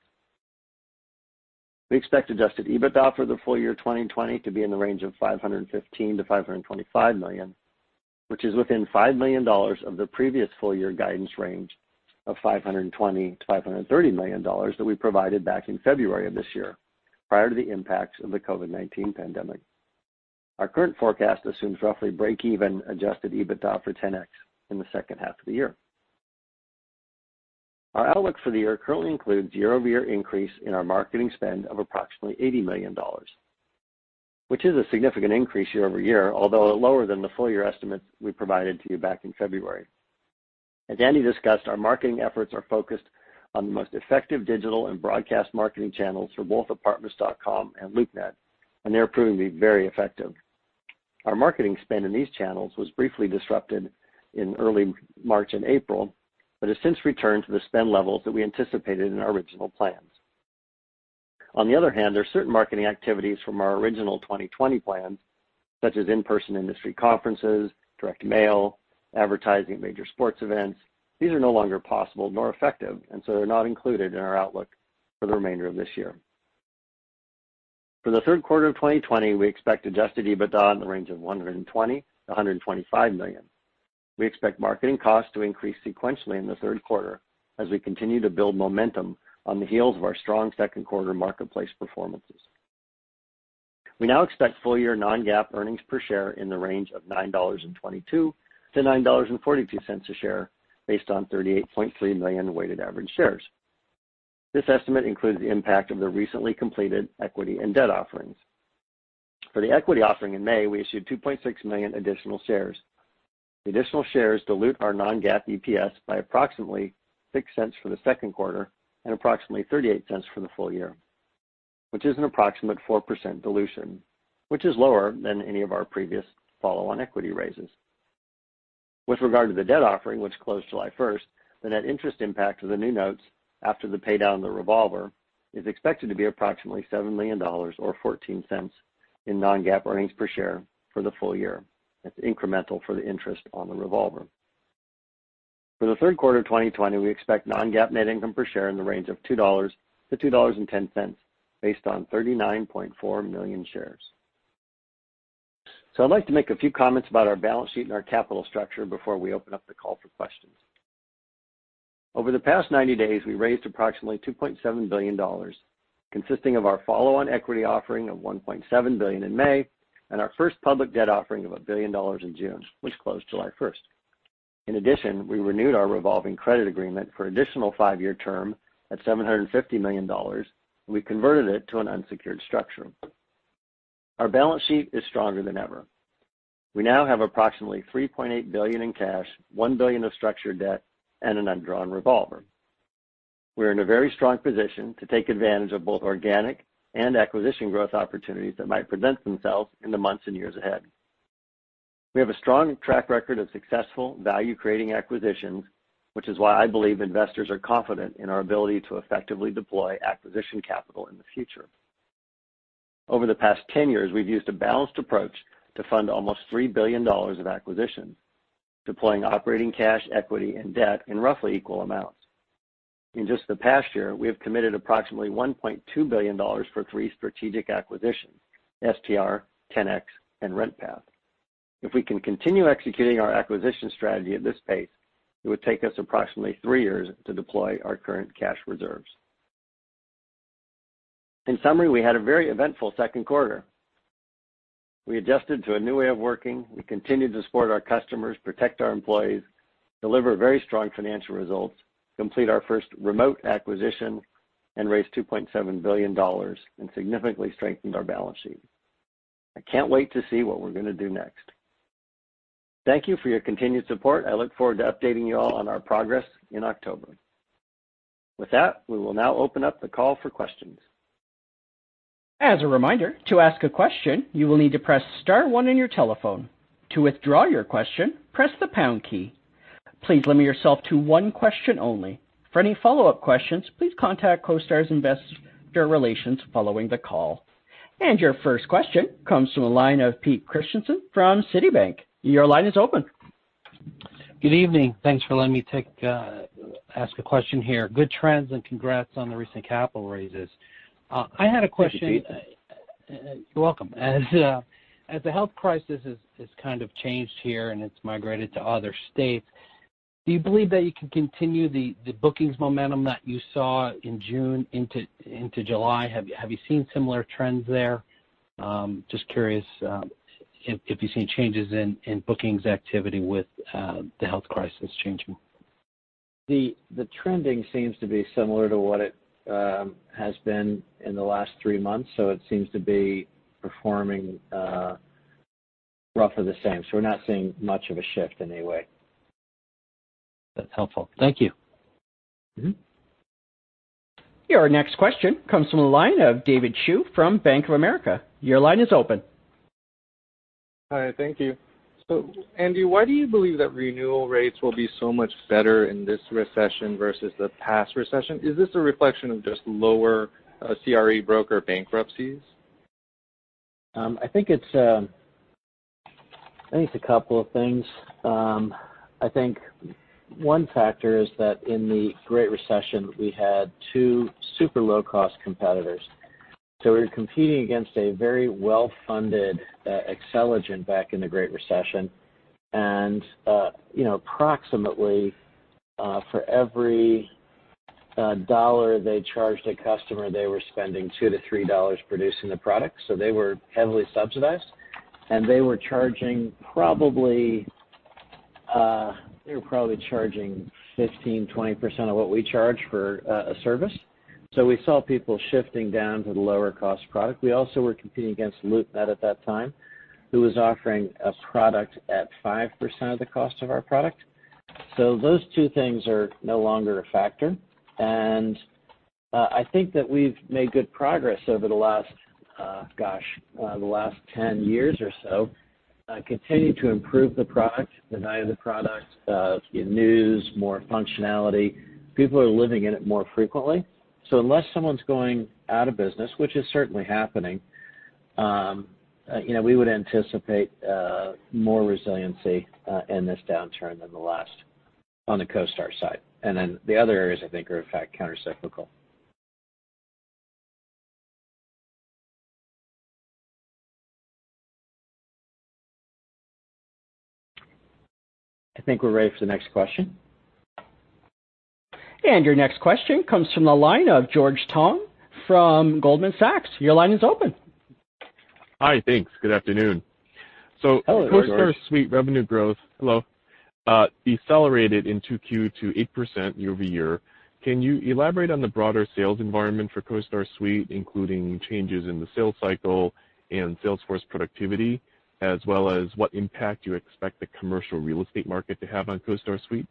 D: We expect adjusted EBITDA for the full year 2020 to be in the range of $515 million-$525 million, which is within $5 million of the previous full-year guidance range of $520 million-$530 million that we provided back in February of this year, prior to the impacts of the COVID-19 pandemic. Our current forecast assumes roughly break-even adjusted EBITDA for Ten-X in the second half of the year. Our outlook for the year currently includes year-over-year increase in our marketing spend of approximately $80 million, which is a significant increase year-over-year, although lower than the full-year estimate we provided to you back in February. As Andy discussed, our marketing efforts are focused on the most effective digital and broadcast marketing channels for both Apartments.com and LoopNet. They're proving to be very effective. Our marketing spend in these channels was briefly disrupted in early March and April, has since returned to the spend levels that we anticipated in our original plans. On the other hand, there are certain marketing activities from our original 2020 plans, such as in-person industry conferences, direct mail, advertising, major sports events. These are no longer possible nor effective, and so they're not included in our outlook for the remainder of this year. For the third quarter of 2020, we expect adjusted EBITDA in the range of $120 million-$125 million. We expect marketing costs to increase sequentially in the third quarter as we continue to build momentum on the heels of our strong second quarter marketplace performances. We now expect full-year non-GAAP earnings per share in the range of $9.22-$9.42 a share based on 38.3 million weighted average shares. This estimate includes the impact of the recently completed equity and debt offerings. For the equity offering in May, we issued 2.6 million additional shares. The additional shares dilute our non-GAAP EPS by approximately $0.06 for the second quarter and approximately $0.38 for the full year, which is an approximate 4% dilution, which is lower than any of our previous follow-on equity raises. With regard to the debt offering, which closed July 1st, the net interest impact of the new notes after the pay down of the revolver is expected to be approximately $7 million, or $0.14 in non-GAAP earnings per share for the full year. That's incremental for the interest on the revolver. For the third quarter of 2020, we expect non-GAAP net income per share in the range of $2-$2.10 based on 39.4 million shares. I'd like to make a few comments about our balance sheet and our capital structure before we open up the call for questions. Over the past 90 days, we raised approximately $2.7 billion, consisting of our follow-on equity offering of $1.7 billion in May and our first public debt offering of $1 billion in June, which closed July 1st. In addition, we renewed our revolving credit agreement for an additional five-year term at $750 million, and we converted it to an unsecured structure. Our balance sheet is stronger than ever. We now have approximately $3.8 billion in cash, $1 billion of structured debt, and an undrawn revolver. We're in a very strong position to take advantage of both organic and acquisition growth opportunities that might present themselves in the months and years ahead. We have a strong track record of successful value-creating acquisitions, which is why I believe investors are confident in our ability to effectively deploy acquisition capital in the future. Over the past 10 years, we've used a balanced approach to fund almost $3 billion of acquisitions, deploying operating cash, equity, and debt in roughly equal amounts. In just the past year, we have committed approximately $1.2 billion for three strategic acquisitions, STR, Ten-X, and RentPath. If we can continue executing our acquisition strategy at this pace, it would take us approximately three years to deploy our current cash reserves. In summary, we had a very eventful second quarter. We adjusted to a new way of working. We continued to support our customers, protect our employees, deliver very strong financial results, complete our first remote acquisition, and raise $2.7 billion, and significantly strengthened our balance sheet. I can't wait to see what we're going to do next. Thank you for your continued support. I look forward to updating you all on our progress in October. With that, we will now open up the call for questions.
A: As a reminder, to ask a question, you will need to press star one on your telephone. To withdraw your question, press the pound key. Please limit yourself to one question only. For any follow-up questions, please contact CoStar's Investor Relations following the call. Your first question comes from the line of Pete Christiansen from Citi. Your line is open.
E: Good evening. Thanks for letting me ask a question here. Good trends, and congrats on the recent capital raises. I had a question.
D: Thank you, Pete.
E: You're welcome. As the health crisis has kind of changed here and it's migrated to other states. Do you believe that you can continue the bookings momentum that you saw in June into July? Have you seen similar trends there? Just curious if you've seen changes in bookings activity with the health crisis changing.
C: The trending seems to be similar to what it has been in the last three months. It seems to be performing roughly the same. We're not seeing much of a shift in any way.
E: That's helpful. Thank you.
A: Your next question comes from the line of David Chu from Bank of America. Your line is open.
F: Hi. Thank you. Andy, why do you believe that renewal rates will be so much better in this recession versus the past recession? Is this a reflection of just lower CRE broker bankruptcies?
C: I think it's a couple of things. I think one factor is that in the Great Recession, we had two super low-cost competitors. We were competing against a very well-funded Xceligent back in the Great Recession. Approximately for every dollar they charged a customer, they were spending $2-$3 producing the product. They were heavily subsidized, and they were probably charging 15%-20% of what we charge for a service. We saw people shifting down to the lower cost product. We also were competing against LoopNet at that time, who was offering a product at 5% of the cost of our product. Those two things are no longer a factor. I think that we've made good progress over the last 10 years or so, continue to improve the product, the value of the product, the news, more functionality. People are living in it more frequently. Unless someone's going out of business, which is certainly happening, we would anticipate more resiliency in this downturn than the last, on the CoStar side. The other areas, I think, are in fact countercyclical. I think we're ready for the next question.
A: Your next question comes from the line of George Tong from Goldman Sachs. Your line is open.
G: Hi. Thanks. Good afternoon.
C: Hello, George.
G: CoStar Suite revenue growth decelerated in 2Q to 8% year-over-year. Can you elaborate on the broader sales environment for CoStar Suite, including changes in the sales cycle and sales force productivity, as well as what impact you expect the commercial real estate market to have on CoStar Suite?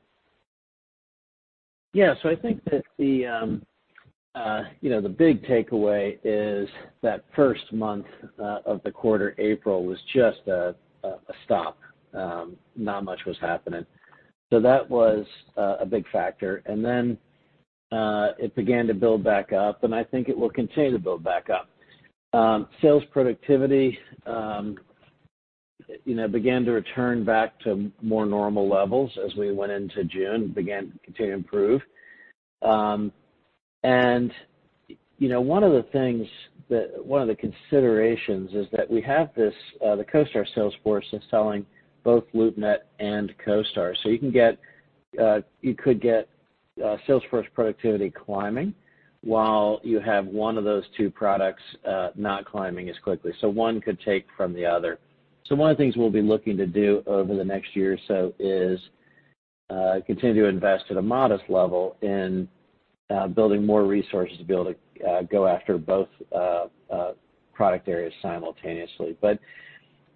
C: Yeah. I think that the big takeaway is that first month of the quarter, April, was just a stop. Not much was happening. That was a big factor, and then it began to build back up, and I think it will continue to build back up. Sales productivity began to return back to more normal levels as we went into June, began to continue to improve. One of the considerations is that we have the CoStar sales force is selling both LoopNet and CoStar. You could get sales force productivity climbing while you have one of those two products not climbing as quickly. One could take from the other. One of the things we'll be looking to do over the next year or so is continue to invest at a modest level in building more resources to be able to go after both product areas simultaneously.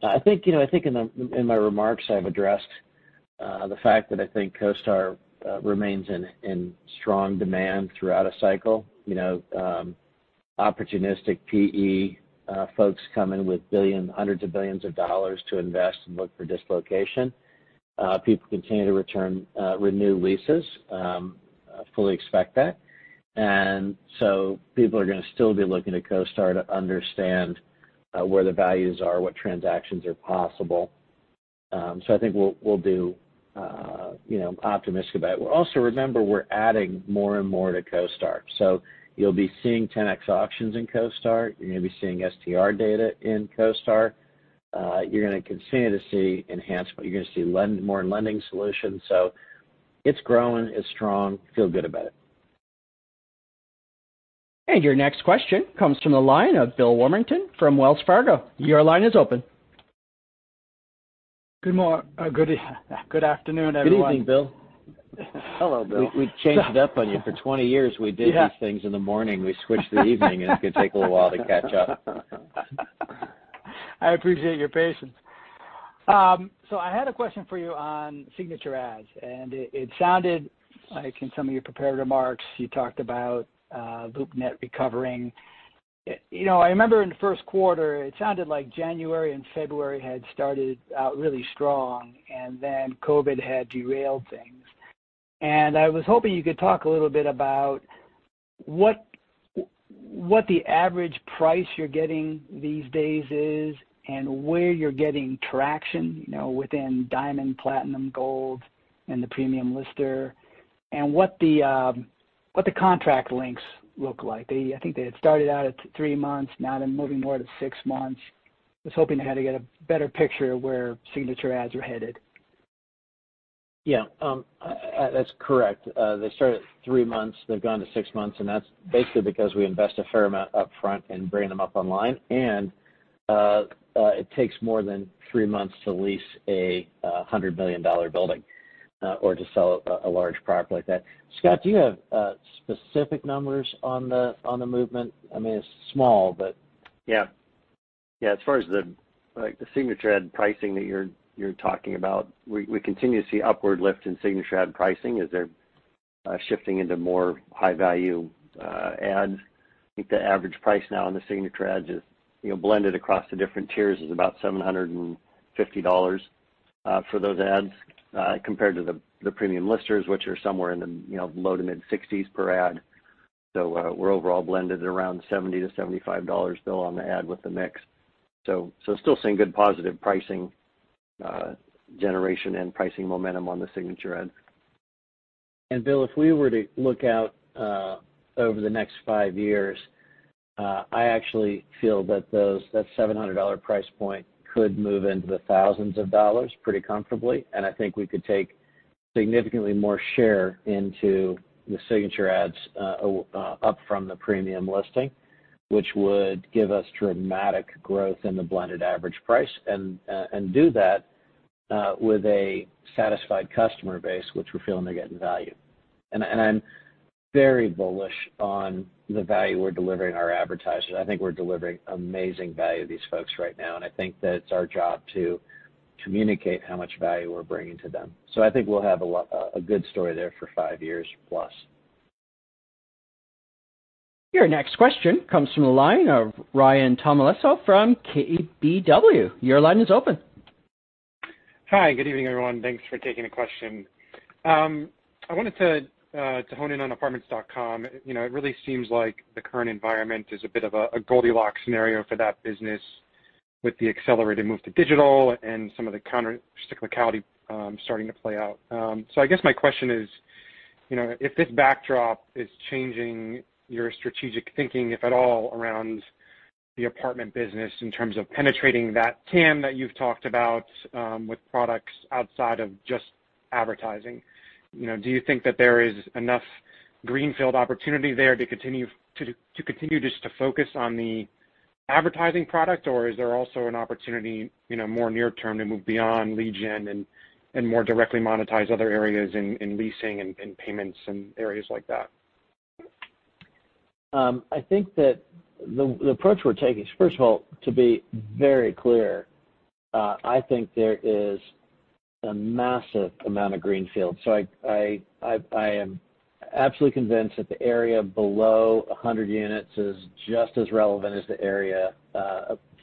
C: I think in my remarks, I've addressed the fact that I think CoStar remains in strong demand throughout a cycle. Opportunistic PE folks come in with hundreds of billions of dollars to invest and look for dislocation. People continue to renew leases. I fully expect that. People are going to still be looking to CoStar to understand where the values are, what transactions are possible. I think we'll do optimistic about it. Also, remember, we're adding more and more to CoStar. You'll be seeing Ten-X auctions in CoStar. You're going to be seeing STR data in CoStar. You're going to continue to see enhancement. You're going to see more lending solutions. It's growing. It's strong. Feel good about it.
A: Your next question comes from the line of Bill Warmington from Wells Fargo. Your line is open.
H: Good afternoon, everyone.
C: Good evening, Bill.
D: Hello, Bill.
C: We changed it up on you. For 20 years.
H: Yeah
C: We did these things in the morning. We switched to evening. It's going to take a little while to catch up.
H: I appreciate your patience. I had a question for you on signature ads. It sounded like in some of your prepared remarks, you talked about LoopNet recovering. I remember in the first quarter, it sounded like January and February had started out really strong. COVID had derailed things. I was hoping you could talk a little bit about what the average price you're getting these days is and where you're getting traction within Diamond, Platinum, Gold, and the Premium lister. What the contract links look like. I think they had started out at three months, now they're moving more to six months. Was hoping to get a better picture of where signature ads are headed.
C: Yeah. That's correct. They started at three months, they've gone to six months, that's basically because we invest a fair amount upfront in bringing them up online. It takes more than three months to lease a $100 million building, or to sell a large property like that. Scott, do you have specific numbers on the movement? I mean, it's small.
D: As far as the signature ad pricing that you're talking about, we continue to see upward lift in signature ad pricing as they're shifting into more high-value ads. I think the average price now on the signature ads, blended across the different tiers, is about $750 for those ads, compared to the premium listers, which are somewhere in the low to mid 60s per ad. We're overall blended around $70-$75, Bill, on the ad with the mix. Still seeing good positive pricing generation and pricing momentum on the signature ads.
C: Bill, if we were to look out over the next five years, I actually feel that that $700 price point could move into the thousands of dollars pretty comfortably. I think we could take significantly more share into the signature ads up from the premium listing, which would give us dramatic growth in the blended average price, and do that with a satisfied customer base which we're feeling are getting value. I'm very bullish on the value we're delivering our advertisers. I think we're delivering amazing value to these folks right now, and I think that it's our job to communicate how much value we're bringing to them. I think we'll have a good story there for five years plus.
A: Your next question comes from the line of Ryan Tomasello from KBW. Your line is open.
I: Hi. Good evening, everyone. Thanks for taking the question. I wanted to hone in on Apartments.com. It really seems like the current environment is a bit of a Goldilocks scenario for that business with the accelerated move to digital and some of the counter cyclicality starting to play out. I guess my question is, if this backdrop is changing your strategic thinking, if at all, around the apartment business in terms of penetrating that TAM that you've talked about, with products outside of just advertising. Do you think that there is enough greenfield opportunity there to continue just to focus on the advertising product, or is there also an opportunity, more near term, to move beyond lead gen and more directly monetize other areas in leasing and payments and areas like that?
C: I think that the approach we're taking First of all, to be very clear, I think there is a massive amount of greenfield. I am absolutely convinced that the area below 100 units is just as relevant as the area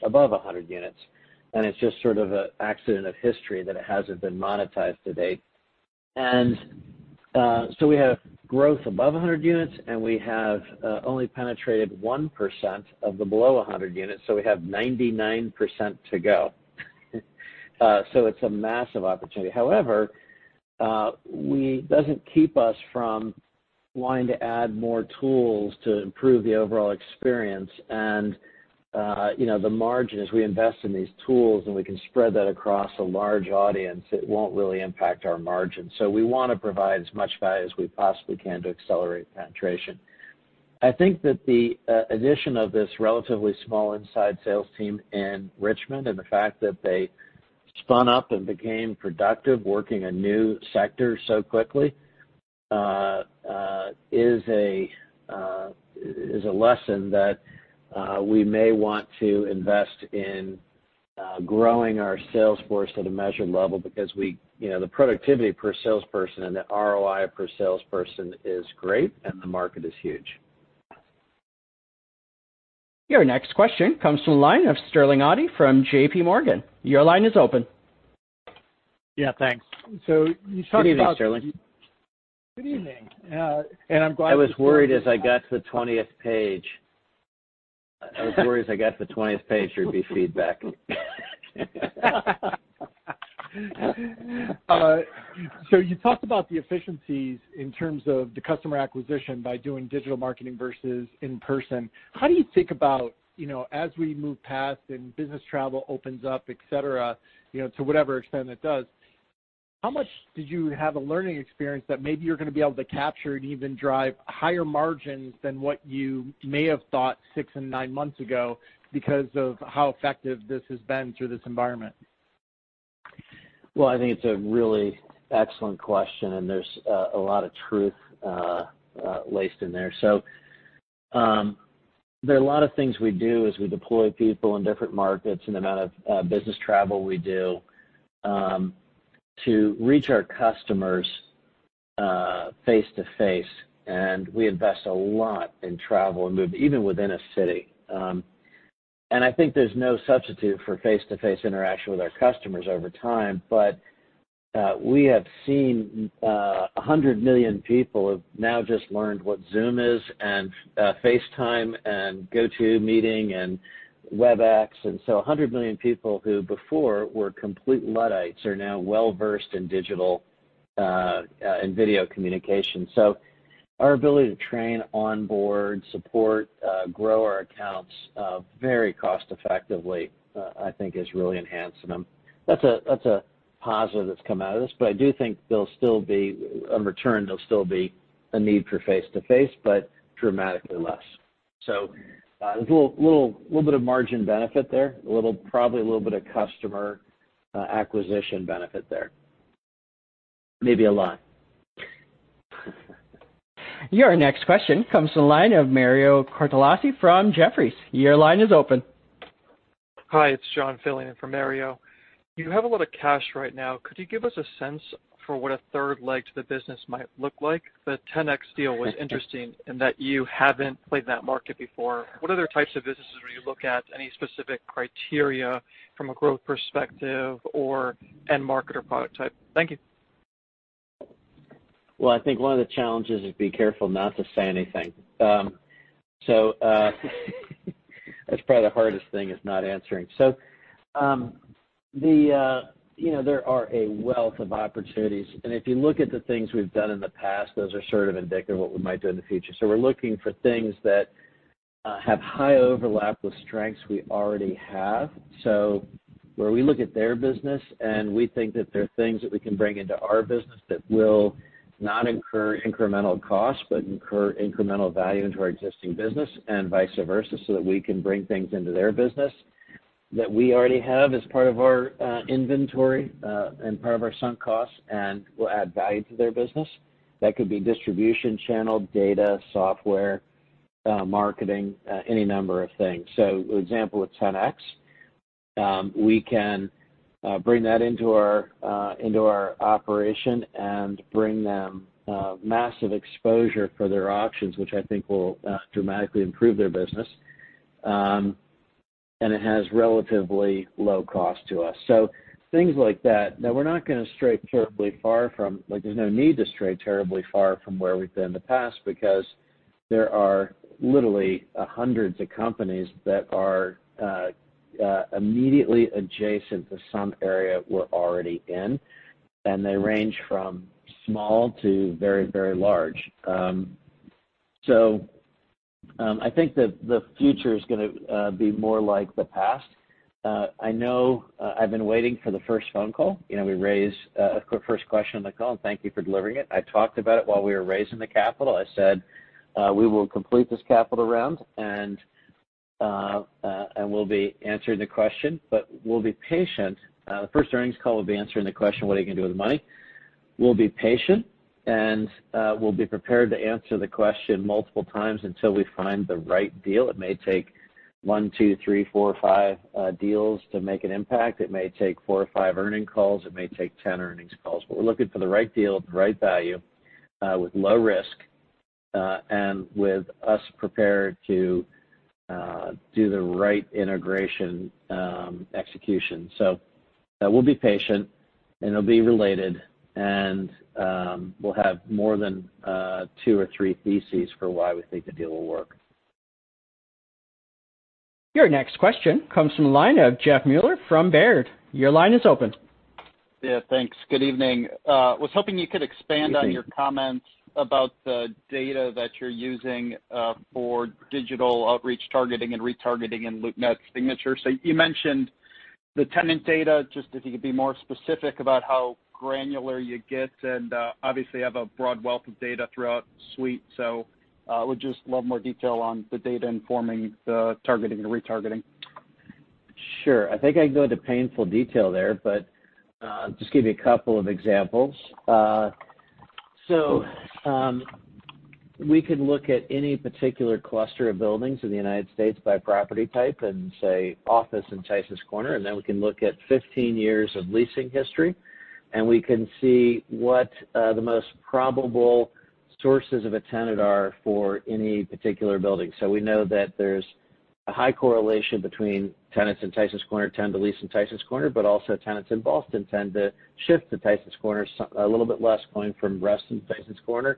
C: above 100 units, and it's just sort of a accident of history that it hasn't been monetized to date. We have growth above 100 units, and we have only penetrated 1% of the below 100 units, we have 99% to go. It's a massive opportunity. However, it doesn't keep us from wanting to add more tools to improve the overall experience and, the margin, as we invest in these tools, and we can spread that across a large audience, it won't really impact our margin. We want to provide as much value as we possibly can to accelerate penetration. I think that the addition of this relatively small inside sales team in Richmond, and the fact that they spun up and became productive working a new sector so quickly, is a lesson that we may want to invest in growing our sales force at a measured level because the productivity per salesperson and the ROI per salesperson is great, and the market is huge.
A: Your next question comes from the line of Sterling Auty from JPMorgan. Your line is open.
J: Yeah, thanks.
C: Good evening, Sterling.
J: Good evening.
C: I was worried as I got to the 20th page. I was worried as I got to the 20th page there'd be feedback.
J: You talked about the efficiencies in terms of the customer acquisition by doing digital marketing versus in-person. How do you think about, as we move past and business travel opens up, et cetera, to whatever extent it does, how much did you have a learning experience that maybe you're going to be able to capture and even drive higher margins than what you may have thought six and nine months ago because of how effective this has been through this environment?
C: Well, I think it's a really excellent question, there's a lot of truth laced in there. There are a lot of things we do as we deploy people in different markets, the amount of business travel we do, to reach our customers face to face. We invest a lot in travel and move even within a city. I think there's no substitute for face-to-face interaction with our customers over time. We have seen 100 million people have now just learned what Zoom is and FaceTime and GoToMeeting and Webex. 100 million people who before were complete luddites are now well-versed in digital and video communication. Our ability to train onboard support, grow our accounts, very cost effectively, I think is really enhancing them. That's a positive that's come out of this, but I do think there'll still be a return, there'll still be a need for face-to-face, but dramatically less. There's a little bit of margin benefit there. Probably a little bit of customer acquisition benefit there. Maybe a lot.
A: Your next question comes from the line of Mario Cortellacci from Jefferies. Your line is open.
K: Hi, it's John filling in for Mario. You have a lot of cash right now. Could you give us a sense for what a third leg to the business might look like? The Ten-X deal was interesting in that you haven't played in that market before. What other types of businesses would you look at? Any specific criteria from a growth perspective or end market or product type? Thank you.
C: I think one of the challenges is be careful not to say anything. That's probably the hardest thing is not answering. There are a wealth of opportunities, and if you look at the things we've done in the past, those are sort of indicative of what we might do in the future. We're looking for things that have high overlap with strengths we already have. Where we look at their business, and we think that there are things that we can bring into our business that will not incur incremental costs but incur incremental value into our existing business and vice versa, so that we can bring things into their business that we already have as part of our inventory, and part of our sunk costs, and will add value to their business. That could be distribution channel, data, software, marketing, any number of things. For example, with Ten-X, we can bring that into our operation and bring them massive exposure for their auctions, which I think will dramatically improve their business. It has relatively low cost to us. Things like that we're not going to stray terribly far from. There's no need to stray terribly far from where we've been in the past because there are literally hundreds of companies that are immediately adjacent to some area we're already in. They range from small to very large. I think that the future is going to be more like the past. I know I've been waiting for the first phone call. We raised a first question on the call, and thank you for delivering it. I talked about it while we were raising the capital. I said, we will complete this capital round, and we'll be answering the question, but we'll be patient. The first earnings call will be answering the question, what are you going to do with the money? We'll be patient, and we'll be prepared to answer the question multiple times until we find the right deal. It may take one, two, three, four, or five deals to make an impact. It may take four or five earnings calls. It may take 10 earnings calls. We're looking for the right deal at the right value, with low risk, and with us prepared to do the right integration execution. We'll be patient, and it'll be related, and we'll have more than two or three theses for why we think the deal will work.
A: Your next question comes from the line of Jeff Meuler from Baird. Your line is open.
L: Yeah, thanks. Good evening.
C: Good evening.
L: was hoping you could expand on your comments about the data that you're using, for digital outreach targeting and retargeting in LoopNet Signature. You mentioned the tenant data, just if you could be more specific about how granular you get and obviously have a broad wealth of data throughout the CoStar Suite. Would just love more detail on the data informing the targeting and retargeting.
C: Sure. I think I can go into painful detail there, but just give you a couple of examples. We could look at any particular cluster of buildings in the U.S. by property type in, say, office in Tysons Corner, and then we can look at 15 years of leasing history, and we can see what the most probable sources of a tenant are for any particular building. We know that there's a high correlation between tenants in Tysons Corner tend to lease in Tysons Corner, but also tenants in Boston tend to shift to Tysons Corner. A little bit less coming from Reston to Tysons Corner.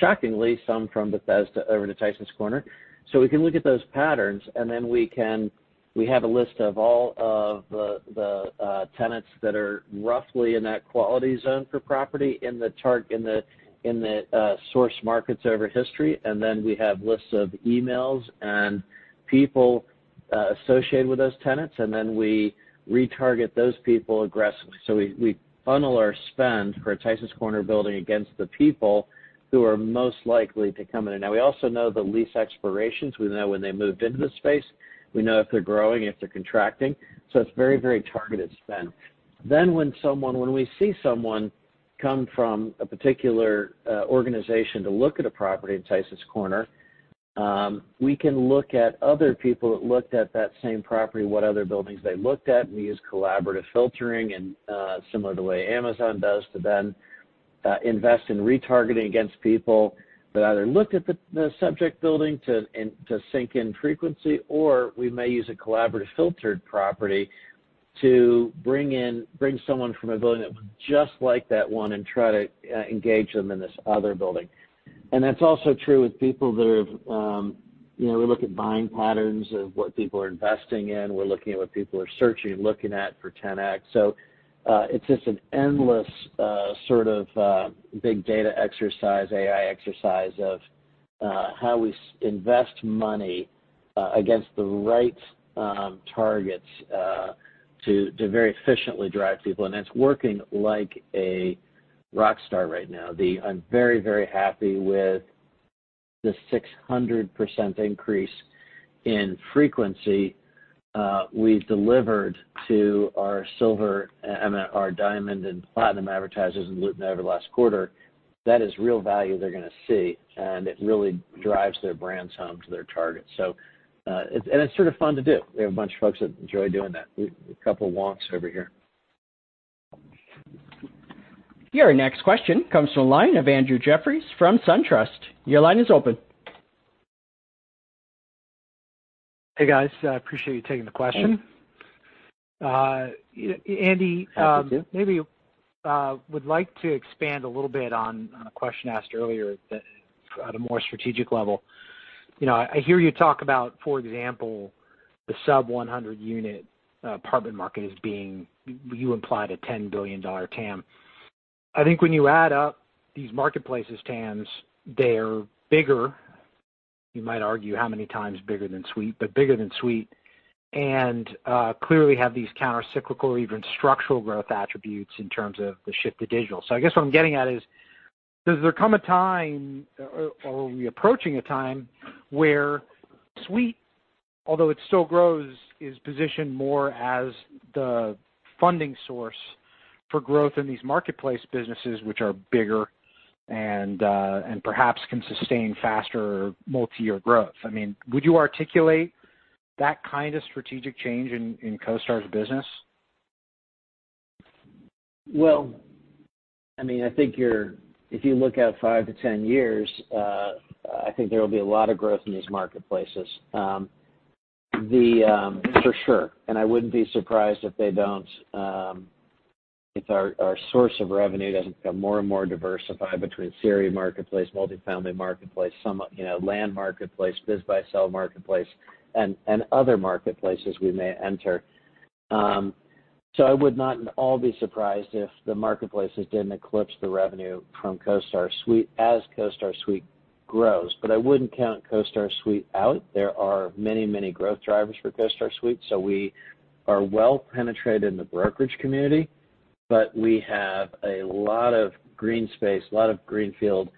C: Shockingly, some from Bethesda over to Tysons Corner. We can look at those patterns, and then we have a list of all of the tenants that are roughly in that quality zone for property in the source markets over history. We have lists of emails and people associated with those tenants, we retarget those people aggressively. We funnel our spend for a Tysons Corner building against the people who are most likely to come in. Now we also know the lease expirations. We know when they moved into the space. We know if they're growing, if they're contracting. It's very targeted spend. When we see someone come from a particular organization to look at a property in Tysons Corner, we can look at other people that looked at that same property, what other buildings they looked at, and we use collaborative filtering, similar to the way Amazon does, to invest in retargeting against people that either looked at the subject building to sync in frequency, or we may use a collaborative filtered property to bring someone from a building that looked just like that one and try to engage them in this other building. That's also true with people. We look at buying patterns of what people are investing in. We're looking at what people are searching and looking at for Ten-X. It's just an endless sort of big data exercise, AI exercise of how we invest money against the right targets to very efficiently drive people. It's working like a rockstar right now. I'm very happy with the 600% increase in frequency we've delivered to our Silver and our Diamond and Platinum advertisers in LoopNet over the last quarter. That is real value they're going to see, and it really drives their brands home to their targets. It's sort of fun to do. We have a bunch of folks that enjoy doing that. A couple wonks over here.
A: Your next question comes from the line of Andrew Jeffrey from SunTrust. Your line is open.
M: Hey, guys. I appreciate you taking the question.
C: Thanks.
M: Andy-
C: Happy to.
M: Maybe would like to expand a little bit on a question asked earlier that at a more strategic level. I hear you talk about, for example, the sub 100 unit apartment market is being, you implied, a $10 billion TAM. I think when you add up these marketplaces TAMs, they're bigger, you might argue how many times bigger than Suite, but bigger than Suite, and clearly have these counter-cyclical, even structural growth attributes in terms of the shift to digital. I guess what I'm getting at is, does there come a time, or are we approaching a time, where Suite, although it still grows, is positioned more as the funding source for growth in these marketplace businesses which are bigger and perhaps can sustain faster multi-year growth? Would you articulate that kind of strategic change in CoStar's business?
C: Well, if you look out five to 10 years, I think there will be a lot of growth in these marketplaces. For sure. I wouldn't be surprised if our source of revenue doesn't become more and more diversified between CRE marketplace, multifamily marketplace, land marketplace, BizBuySell marketplace, and other marketplaces we may enter. I would not at all be surprised if the marketplaces didn't eclipse the revenue from CoStar Suite as CoStar Suite grows. I wouldn't count CoStar Suite out. There are many growth drivers for CoStar Suite. We are well-penetrated in the brokerage community, but we have a lot of green space, a lot of greenfield,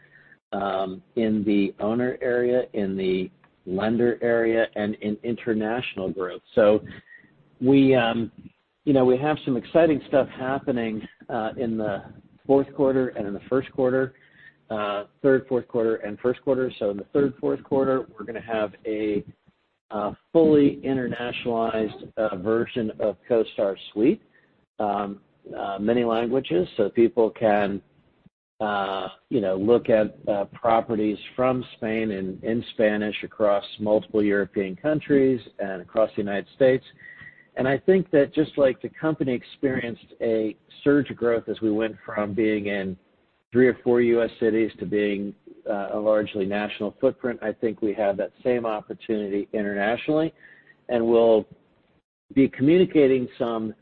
C: in the owner area, in the lender area, and in international growth. We have some exciting stuff happening in the fourth quarter and in the first quarter. Third, fourth quarter, and first quarter. In the third, fourth quarter, we're going to have a fully internationalized version of CoStar Suite. Many languages, people can look at properties from Spain and in Spanish across multiple European countries and across the U.S. I think that just like the company experienced a surge of growth as we went from being in three or four U.S. cities to being a largely national footprint, I think we have that same opportunity internationally. We'll be communicating some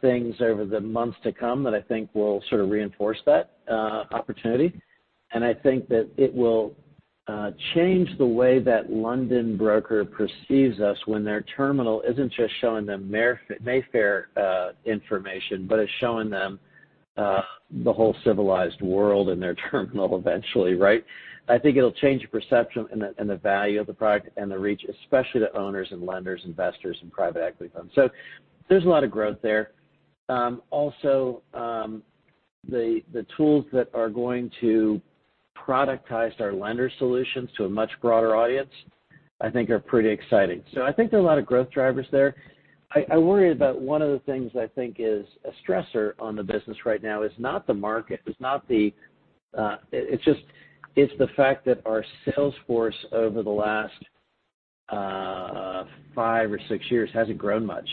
C: things over the months to come that I think will sort of reinforce that opportunity. I think that it will change the way that London broker perceives us when their terminal isn't just showing them Mayfair information, but is showing them the whole civilized world in their terminal eventually, right? I think it'll change the perception and the value of the product and the reach, especially to owners and lenders, investors, and private equity firms. There's a lot of growth there. Also, the tools that are going to productize our lender solutions to a much broader audience, I think are pretty exciting. I think there are a lot of growth drivers there. I worry about one of the things I think is a stressor on the business right now is not the market. It's the fact that our sales force over the last five or six years hasn't grown much.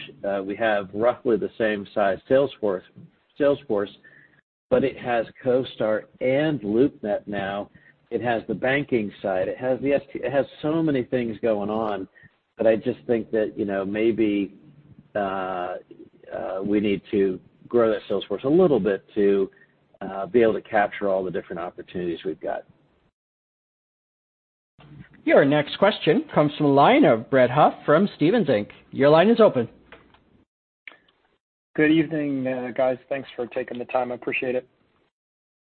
C: We have roughly the same size sales force, but it has CoStar and LoopNet now. It has the banking side. It has so many things going on, but I just think that maybe we need to grow that sales force a little bit to be able to capture all the different opportunities we've got.
A: Your next question comes from the line of Brett Huff from Stephens Inc. Your line is open.
N: Good evening, guys. Thanks for taking the time. I appreciate it.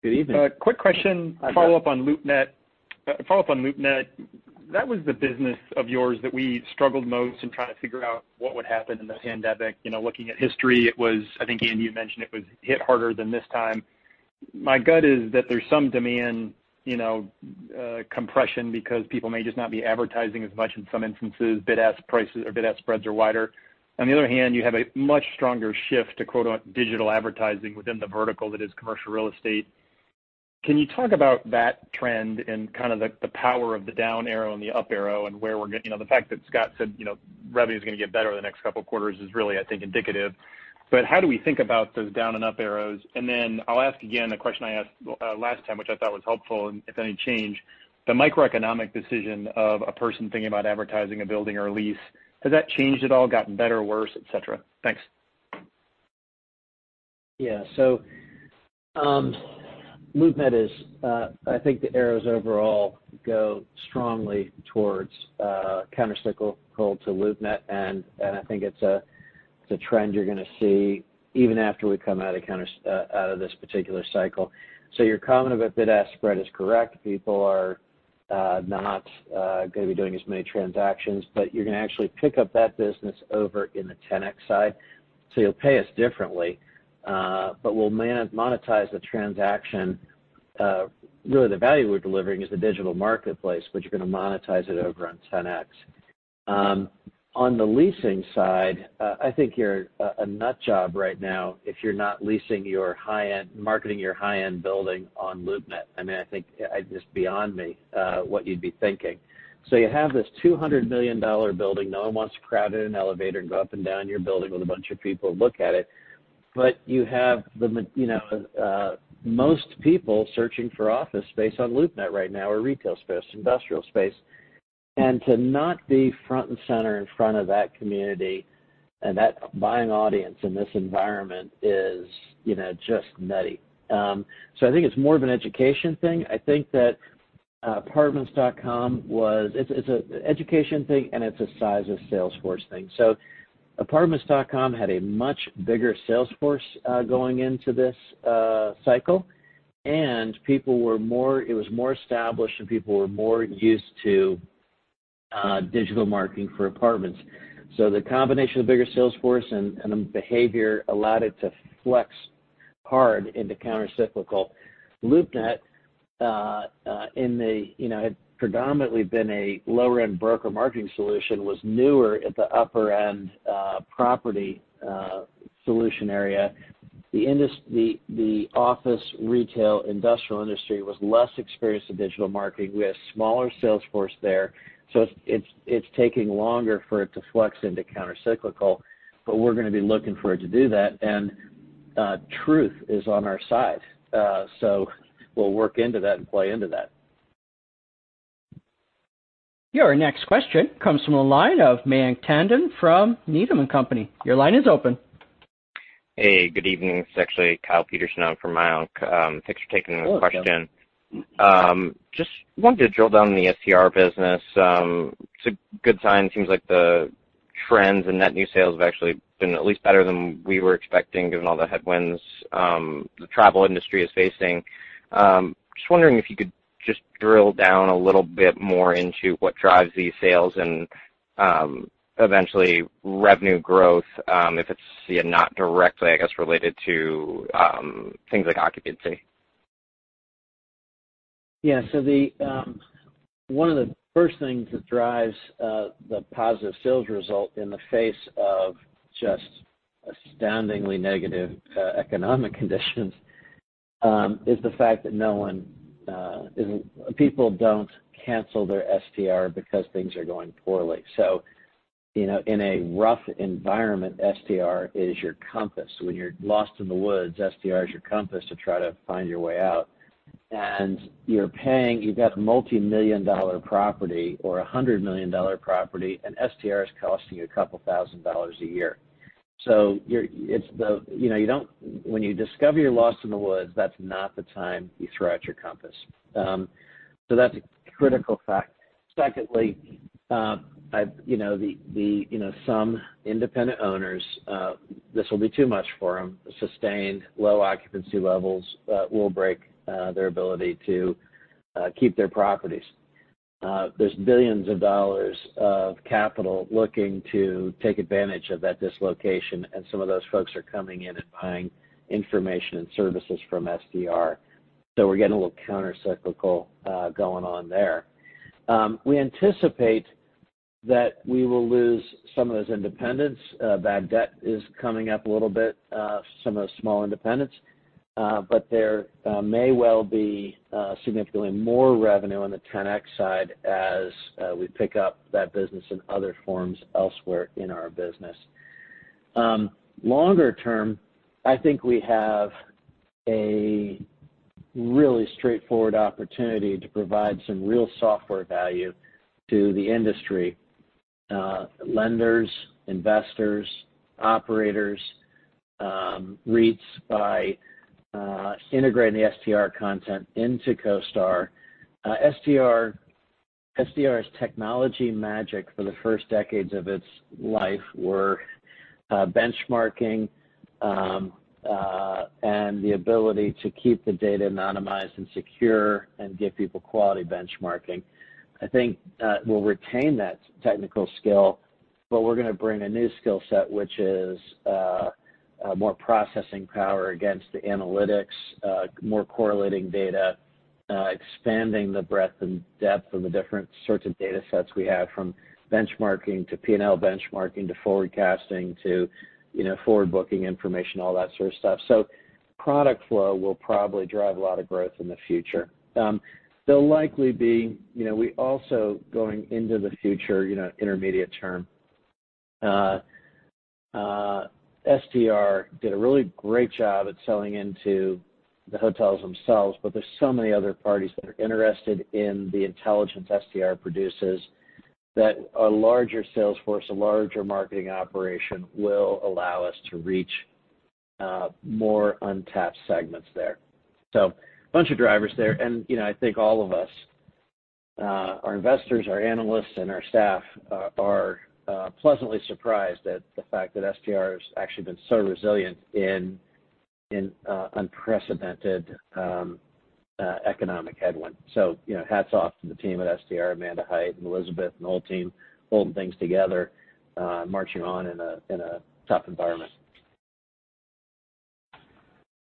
C: Good evening.
N: Quick question.
D: Hi, Brett.
N: Follow-up on LoopNet. That was the business of yours that we struggled most in trying to figure out what would happen in the pandemic. Looking at history, it was, I think, Andy Florance, you mentioned it was hit harder than this time. My gut is that there's some demand compression because people may just not be advertising as much in some instances. Bid-ask spreads are wider. The other hand, you have a much stronger shift to quote-unquote, "digital advertising" within the vertical that is commercial real estate. Can you talk about that trend and kind of the power of the down arrow and the up arrow, and the fact that Scott said revenue's going to get better the next couple of quarters is really, I think, indicative. How do we think about those down and up arrows? Then I'll ask again a question I asked last time, which I thought was helpful, if any change, the microeconomic decision of a person thinking about advertising a building or a lease, has that changed at all, gotten better or worse, et cetera? Thanks.
C: Yeah. LoopNet is, I think the arrows overall go strongly towards countercyclical to LoopNet, and I think it's a trend you're going to see even after we come out of this particular cycle. Your comment about bid-ask spread is correct. People are not going to be doing as many transactions. You're going to actually pick up that business over in the Ten-X side. You'll pay us differently. We'll monetize the transaction. Really, the value we're delivering is the digital marketplace, but you're going to monetize it over on Ten-X. On the leasing side, I think you're a nut job right now if you're not marketing your high-end building on LoopNet. I think it's just beyond me what you'd be thinking. You have this $200 million building. No one wants to crowd in an elevator and go up and down your building with a bunch of people to look at it. You have most people searching for office space on LoopNet right now, or retail space, industrial space. To not be front and center in front of that community and that buying audience in this environment is just nutty. I think it's more of an education thing. I think that Apartments.com It's an education thing, and it's a size of Salesforce thing. Apartments.com had a much bigger Salesforce going into this cycle, and it was more established and people were more used to digital marketing for apartments. The combination of bigger Salesforce and behavior allowed it to flex hard into countercyclical. LoopNet had predominantly been a lower-end broker marketing solution, was newer at the upper-end property solution area. The office retail industrial industry was less experienced in digital marketing. We had a smaller Salesforce there, so it's taking longer for it to flex into countercyclical, but we're going to be looking for it to do that. Truth is on our side. We'll work into that and play into that.
A: Your next question comes from the line of Mayank Tandon from Needham & Company. Your line is open.
O: Hey, good evening. This is actually Kyle Peterson on from Mayank. Thanks for taking the question.
C: Hello, Kyle.
O: Just wanted to drill down on the STR business. It's a good sign. Seems like the trends in net new sales have actually been at least better than we were expecting, given all the headwinds the travel industry is facing. Just wondering if you could just drill down a little bit more into what drives these sales and eventually revenue growth, if it's not directly, I guess, related to things like occupancy.
C: One of the first things that drives the positive sales result in the face of just astoundingly negative economic conditions is the fact that people don't cancel their STR because things are going poorly. In a rough environment, STR is your compass. When you're lost in the woods, STR is your compass to try to find your way out. You've got multimillion-dollar property or $100 million property, and STR is costing you a couple thousand dollars a year. When you discover you're lost in the woods, that's not the time you throw out your compass. Secondly, some independent owners, this will be too much for them. Sustained low occupancy levels will break their ability to keep their properties. There's billions of dollars of capital looking to take advantage of that dislocation. Some of those folks are coming in and buying information and services from STR. We're getting a little countercyclical going on there. We anticipate that we will lose some of those independents. Bad debt is coming up a little bit, some of the small independents. There may well be significantly more revenue on the Ten-X side as we pick up that business in other forms elsewhere in our business. Longer term, I think we have a really straightforward opportunity to provide some real software value to the industry, lenders, investors, operators, REITs, by integrating the STR content into CoStar. STR's technology magic for the first decades of its life were benchmarking, and the ability to keep the data anonymized and secure and give people quality benchmarking. I think we'll retain that technical skill, but we're going to bring a new skill set, which is more processing power against the analytics, more correlating data, expanding the breadth and depth of the different sorts of data sets we have, from benchmarking to P&L benchmarking, to forecasting, to forward booking information, all that sort of stuff. Product flow will probably drive a lot of growth in the future. We also, going into the future, intermediate term, STR did a really great job at selling into the hotels themselves, but there's so many other parties that are interested in the intelligence STR produces, that a larger sales force, a larger marketing operation will allow us to reach more untapped segments there. A bunch of drivers there. I think all of us, our investors, our analysts, and our staff are pleasantly surprised at the fact that STR has actually been so resilient in unprecedented economic headwind. Hats off to the team at STR, Amanda Hite and Elizabeth, and the whole team holding things together, marching on in a tough environment.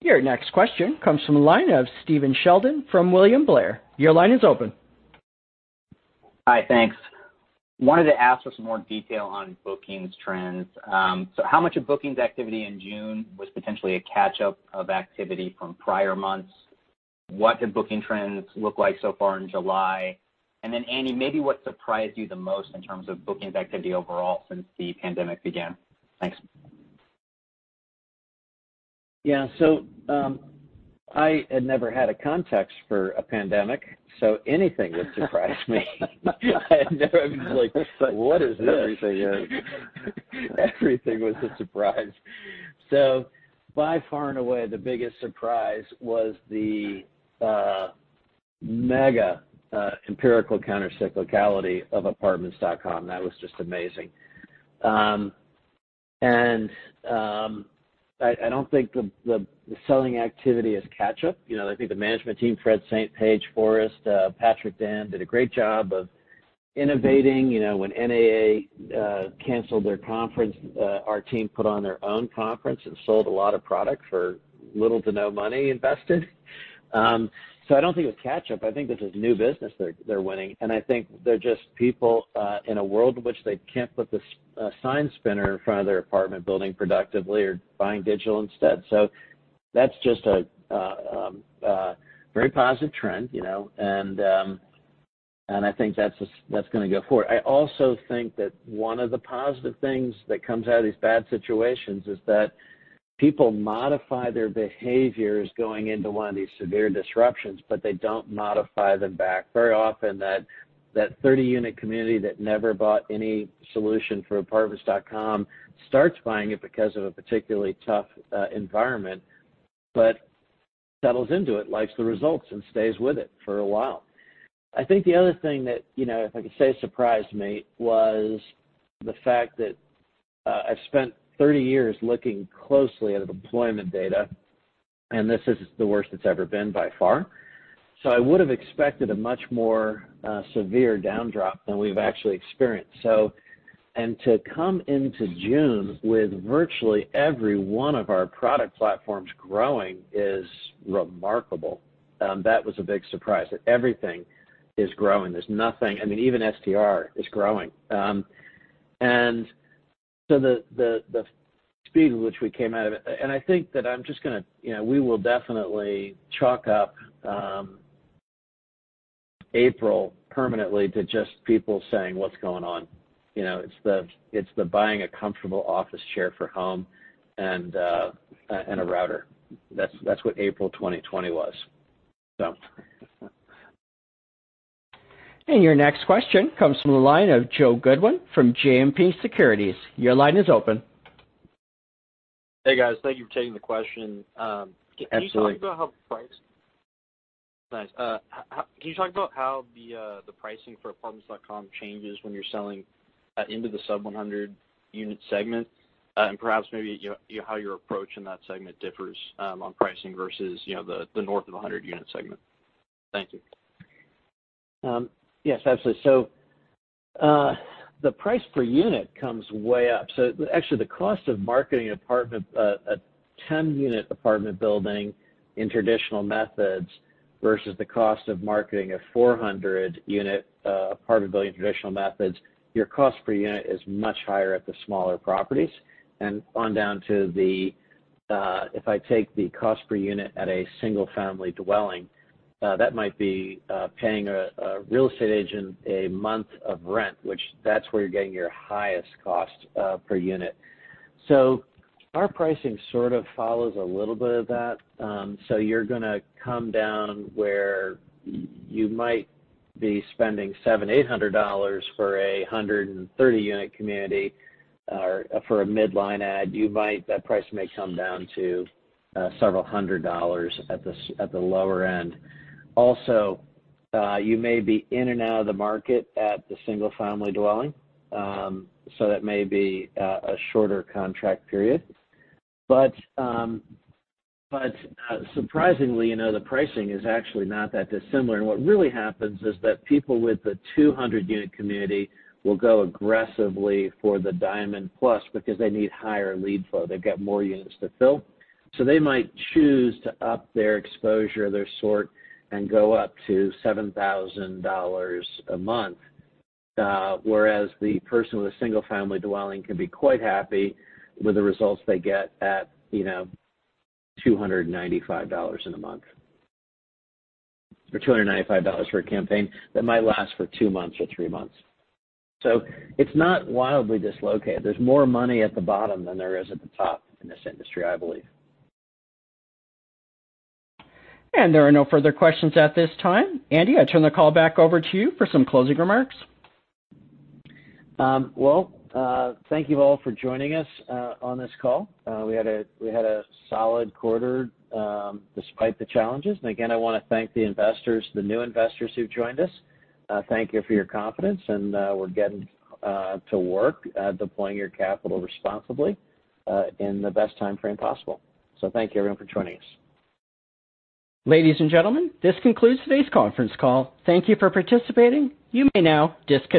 A: Your next question comes from the line of Stephen Sheldon from William Blair. Your line is open.
P: Hi. Thanks. Wanted to ask for some more detail on bookings trends. How much of bookings activity in June was potentially a catch-up of activity from prior months? What did booking trends look like so far in July? Andy, maybe what surprised you the most in terms of bookings activity overall since the pandemic began? Thanks.
C: Yeah. I had never had a context for a pandemic, so anything would surprise me. I had never been like, "What is this?
P: Everything, yeah.
C: Everything was a surprise. By far and away, the biggest surprise was the mega empirical counter-cyclicality of Apartments.com. That was just amazing. I don't think the selling activity is catch-up. I think the management team, Fred Saint, Patrick Dan, did a great job of innovating. When NAA canceled their conference, our team put on their own conference and sold a lot of product for little to no money invested. I don't think it was catch-up. I think this is new business they're winning. I think they're just people, in a world in which they can't put the sign spinner in front of their apartment building productively, are buying digital instead. That's just a very positive trend, and I think that's going to go forward. I also think that one of the positive things that comes out of these bad situations is that people modify their behaviors going into one of these severe disruptions, but they don't modify them back. Very often that 30-unit community that never bought any solution from Apartments.com starts buying it because of a particularly tough environment, but settles into it, likes the results, and stays with it for a while. I think the other thing that, if I could say, surprised me, was the fact that I've spent 30 years looking closely at employment data, and this is the worst it's ever been by far. I would've expected a much more severe downdrop than we've actually experienced. To come into June with virtually every one of our product platforms growing is remarkable. That was a big surprise, that everything is growing. There's nothing I mean, even STR is growing. The speed at which we came out of it And I think that I'm just going to We will definitely chalk up April permanently to just people saying, "What's going on?" It's the buying a comfortable office chair for home and a router. That's what April 2020 was.
A: Your next question comes from the line of Joe Goodwin from JMP Securities. Your line is open.
Q: Hey, guys. Thank you for taking the question.
C: Absolutely.
Q: Can you talk about how the pricing for Apartments.com changes when you're selling into the sub 100 unit segment? Perhaps maybe how your approach in that segment differs on pricing versus the north of 100 unit segment. Thank you.
C: Yes, absolutely. The price per unit comes way up. Actually, the cost of marketing a 10-unit apartment building in traditional methods versus the cost of marketing a 400-unit apartment building in traditional methods, your cost per unit is much higher at the smaller properties. On down to the If I take the cost per unit at a single family dwelling, that might be paying a real estate agent a month of rent, which that's where you're getting your highest cost per unit. Our pricing sort of follows a little bit of that. You're going to come down where you might be spending $700, $800 for a 130-unit community, or for a midline ad. That price may come down to several hundred dollars at the lower end. Also, you may be in and out of the market at the single family dwelling. That may be a shorter contract period. Surprisingly, the pricing is actually not that dissimilar. What really happens is that people with the 200 unit community will go aggressively for the Diamond Plus because they need higher lead flow. They've got more units to fill. They might choose to up their exposure, their sort, and go up to $7,000 a month. Whereas the person with a single family dwelling can be quite happy with the results they get at $295 in a month, or $295 for a campaign that might last for two months or three months. It's not wildly dislocated. There's more money at the bottom than there is at the top in this industry, I believe.
A: There are no further questions at this time. Andy, I turn the call back over to you for some closing remarks.
C: Well, thank you all for joining us on this call. We had a solid quarter despite the challenges. Again, I want to thank the investors, the new investors who've joined us. Thank you for your confidence. We're getting to work deploying your capital responsibly in the best timeframe possible. Thank you everyone for joining us.
A: Ladies and gentlemen, this concludes today's conference call. Thank you for participating. You may now disconnect.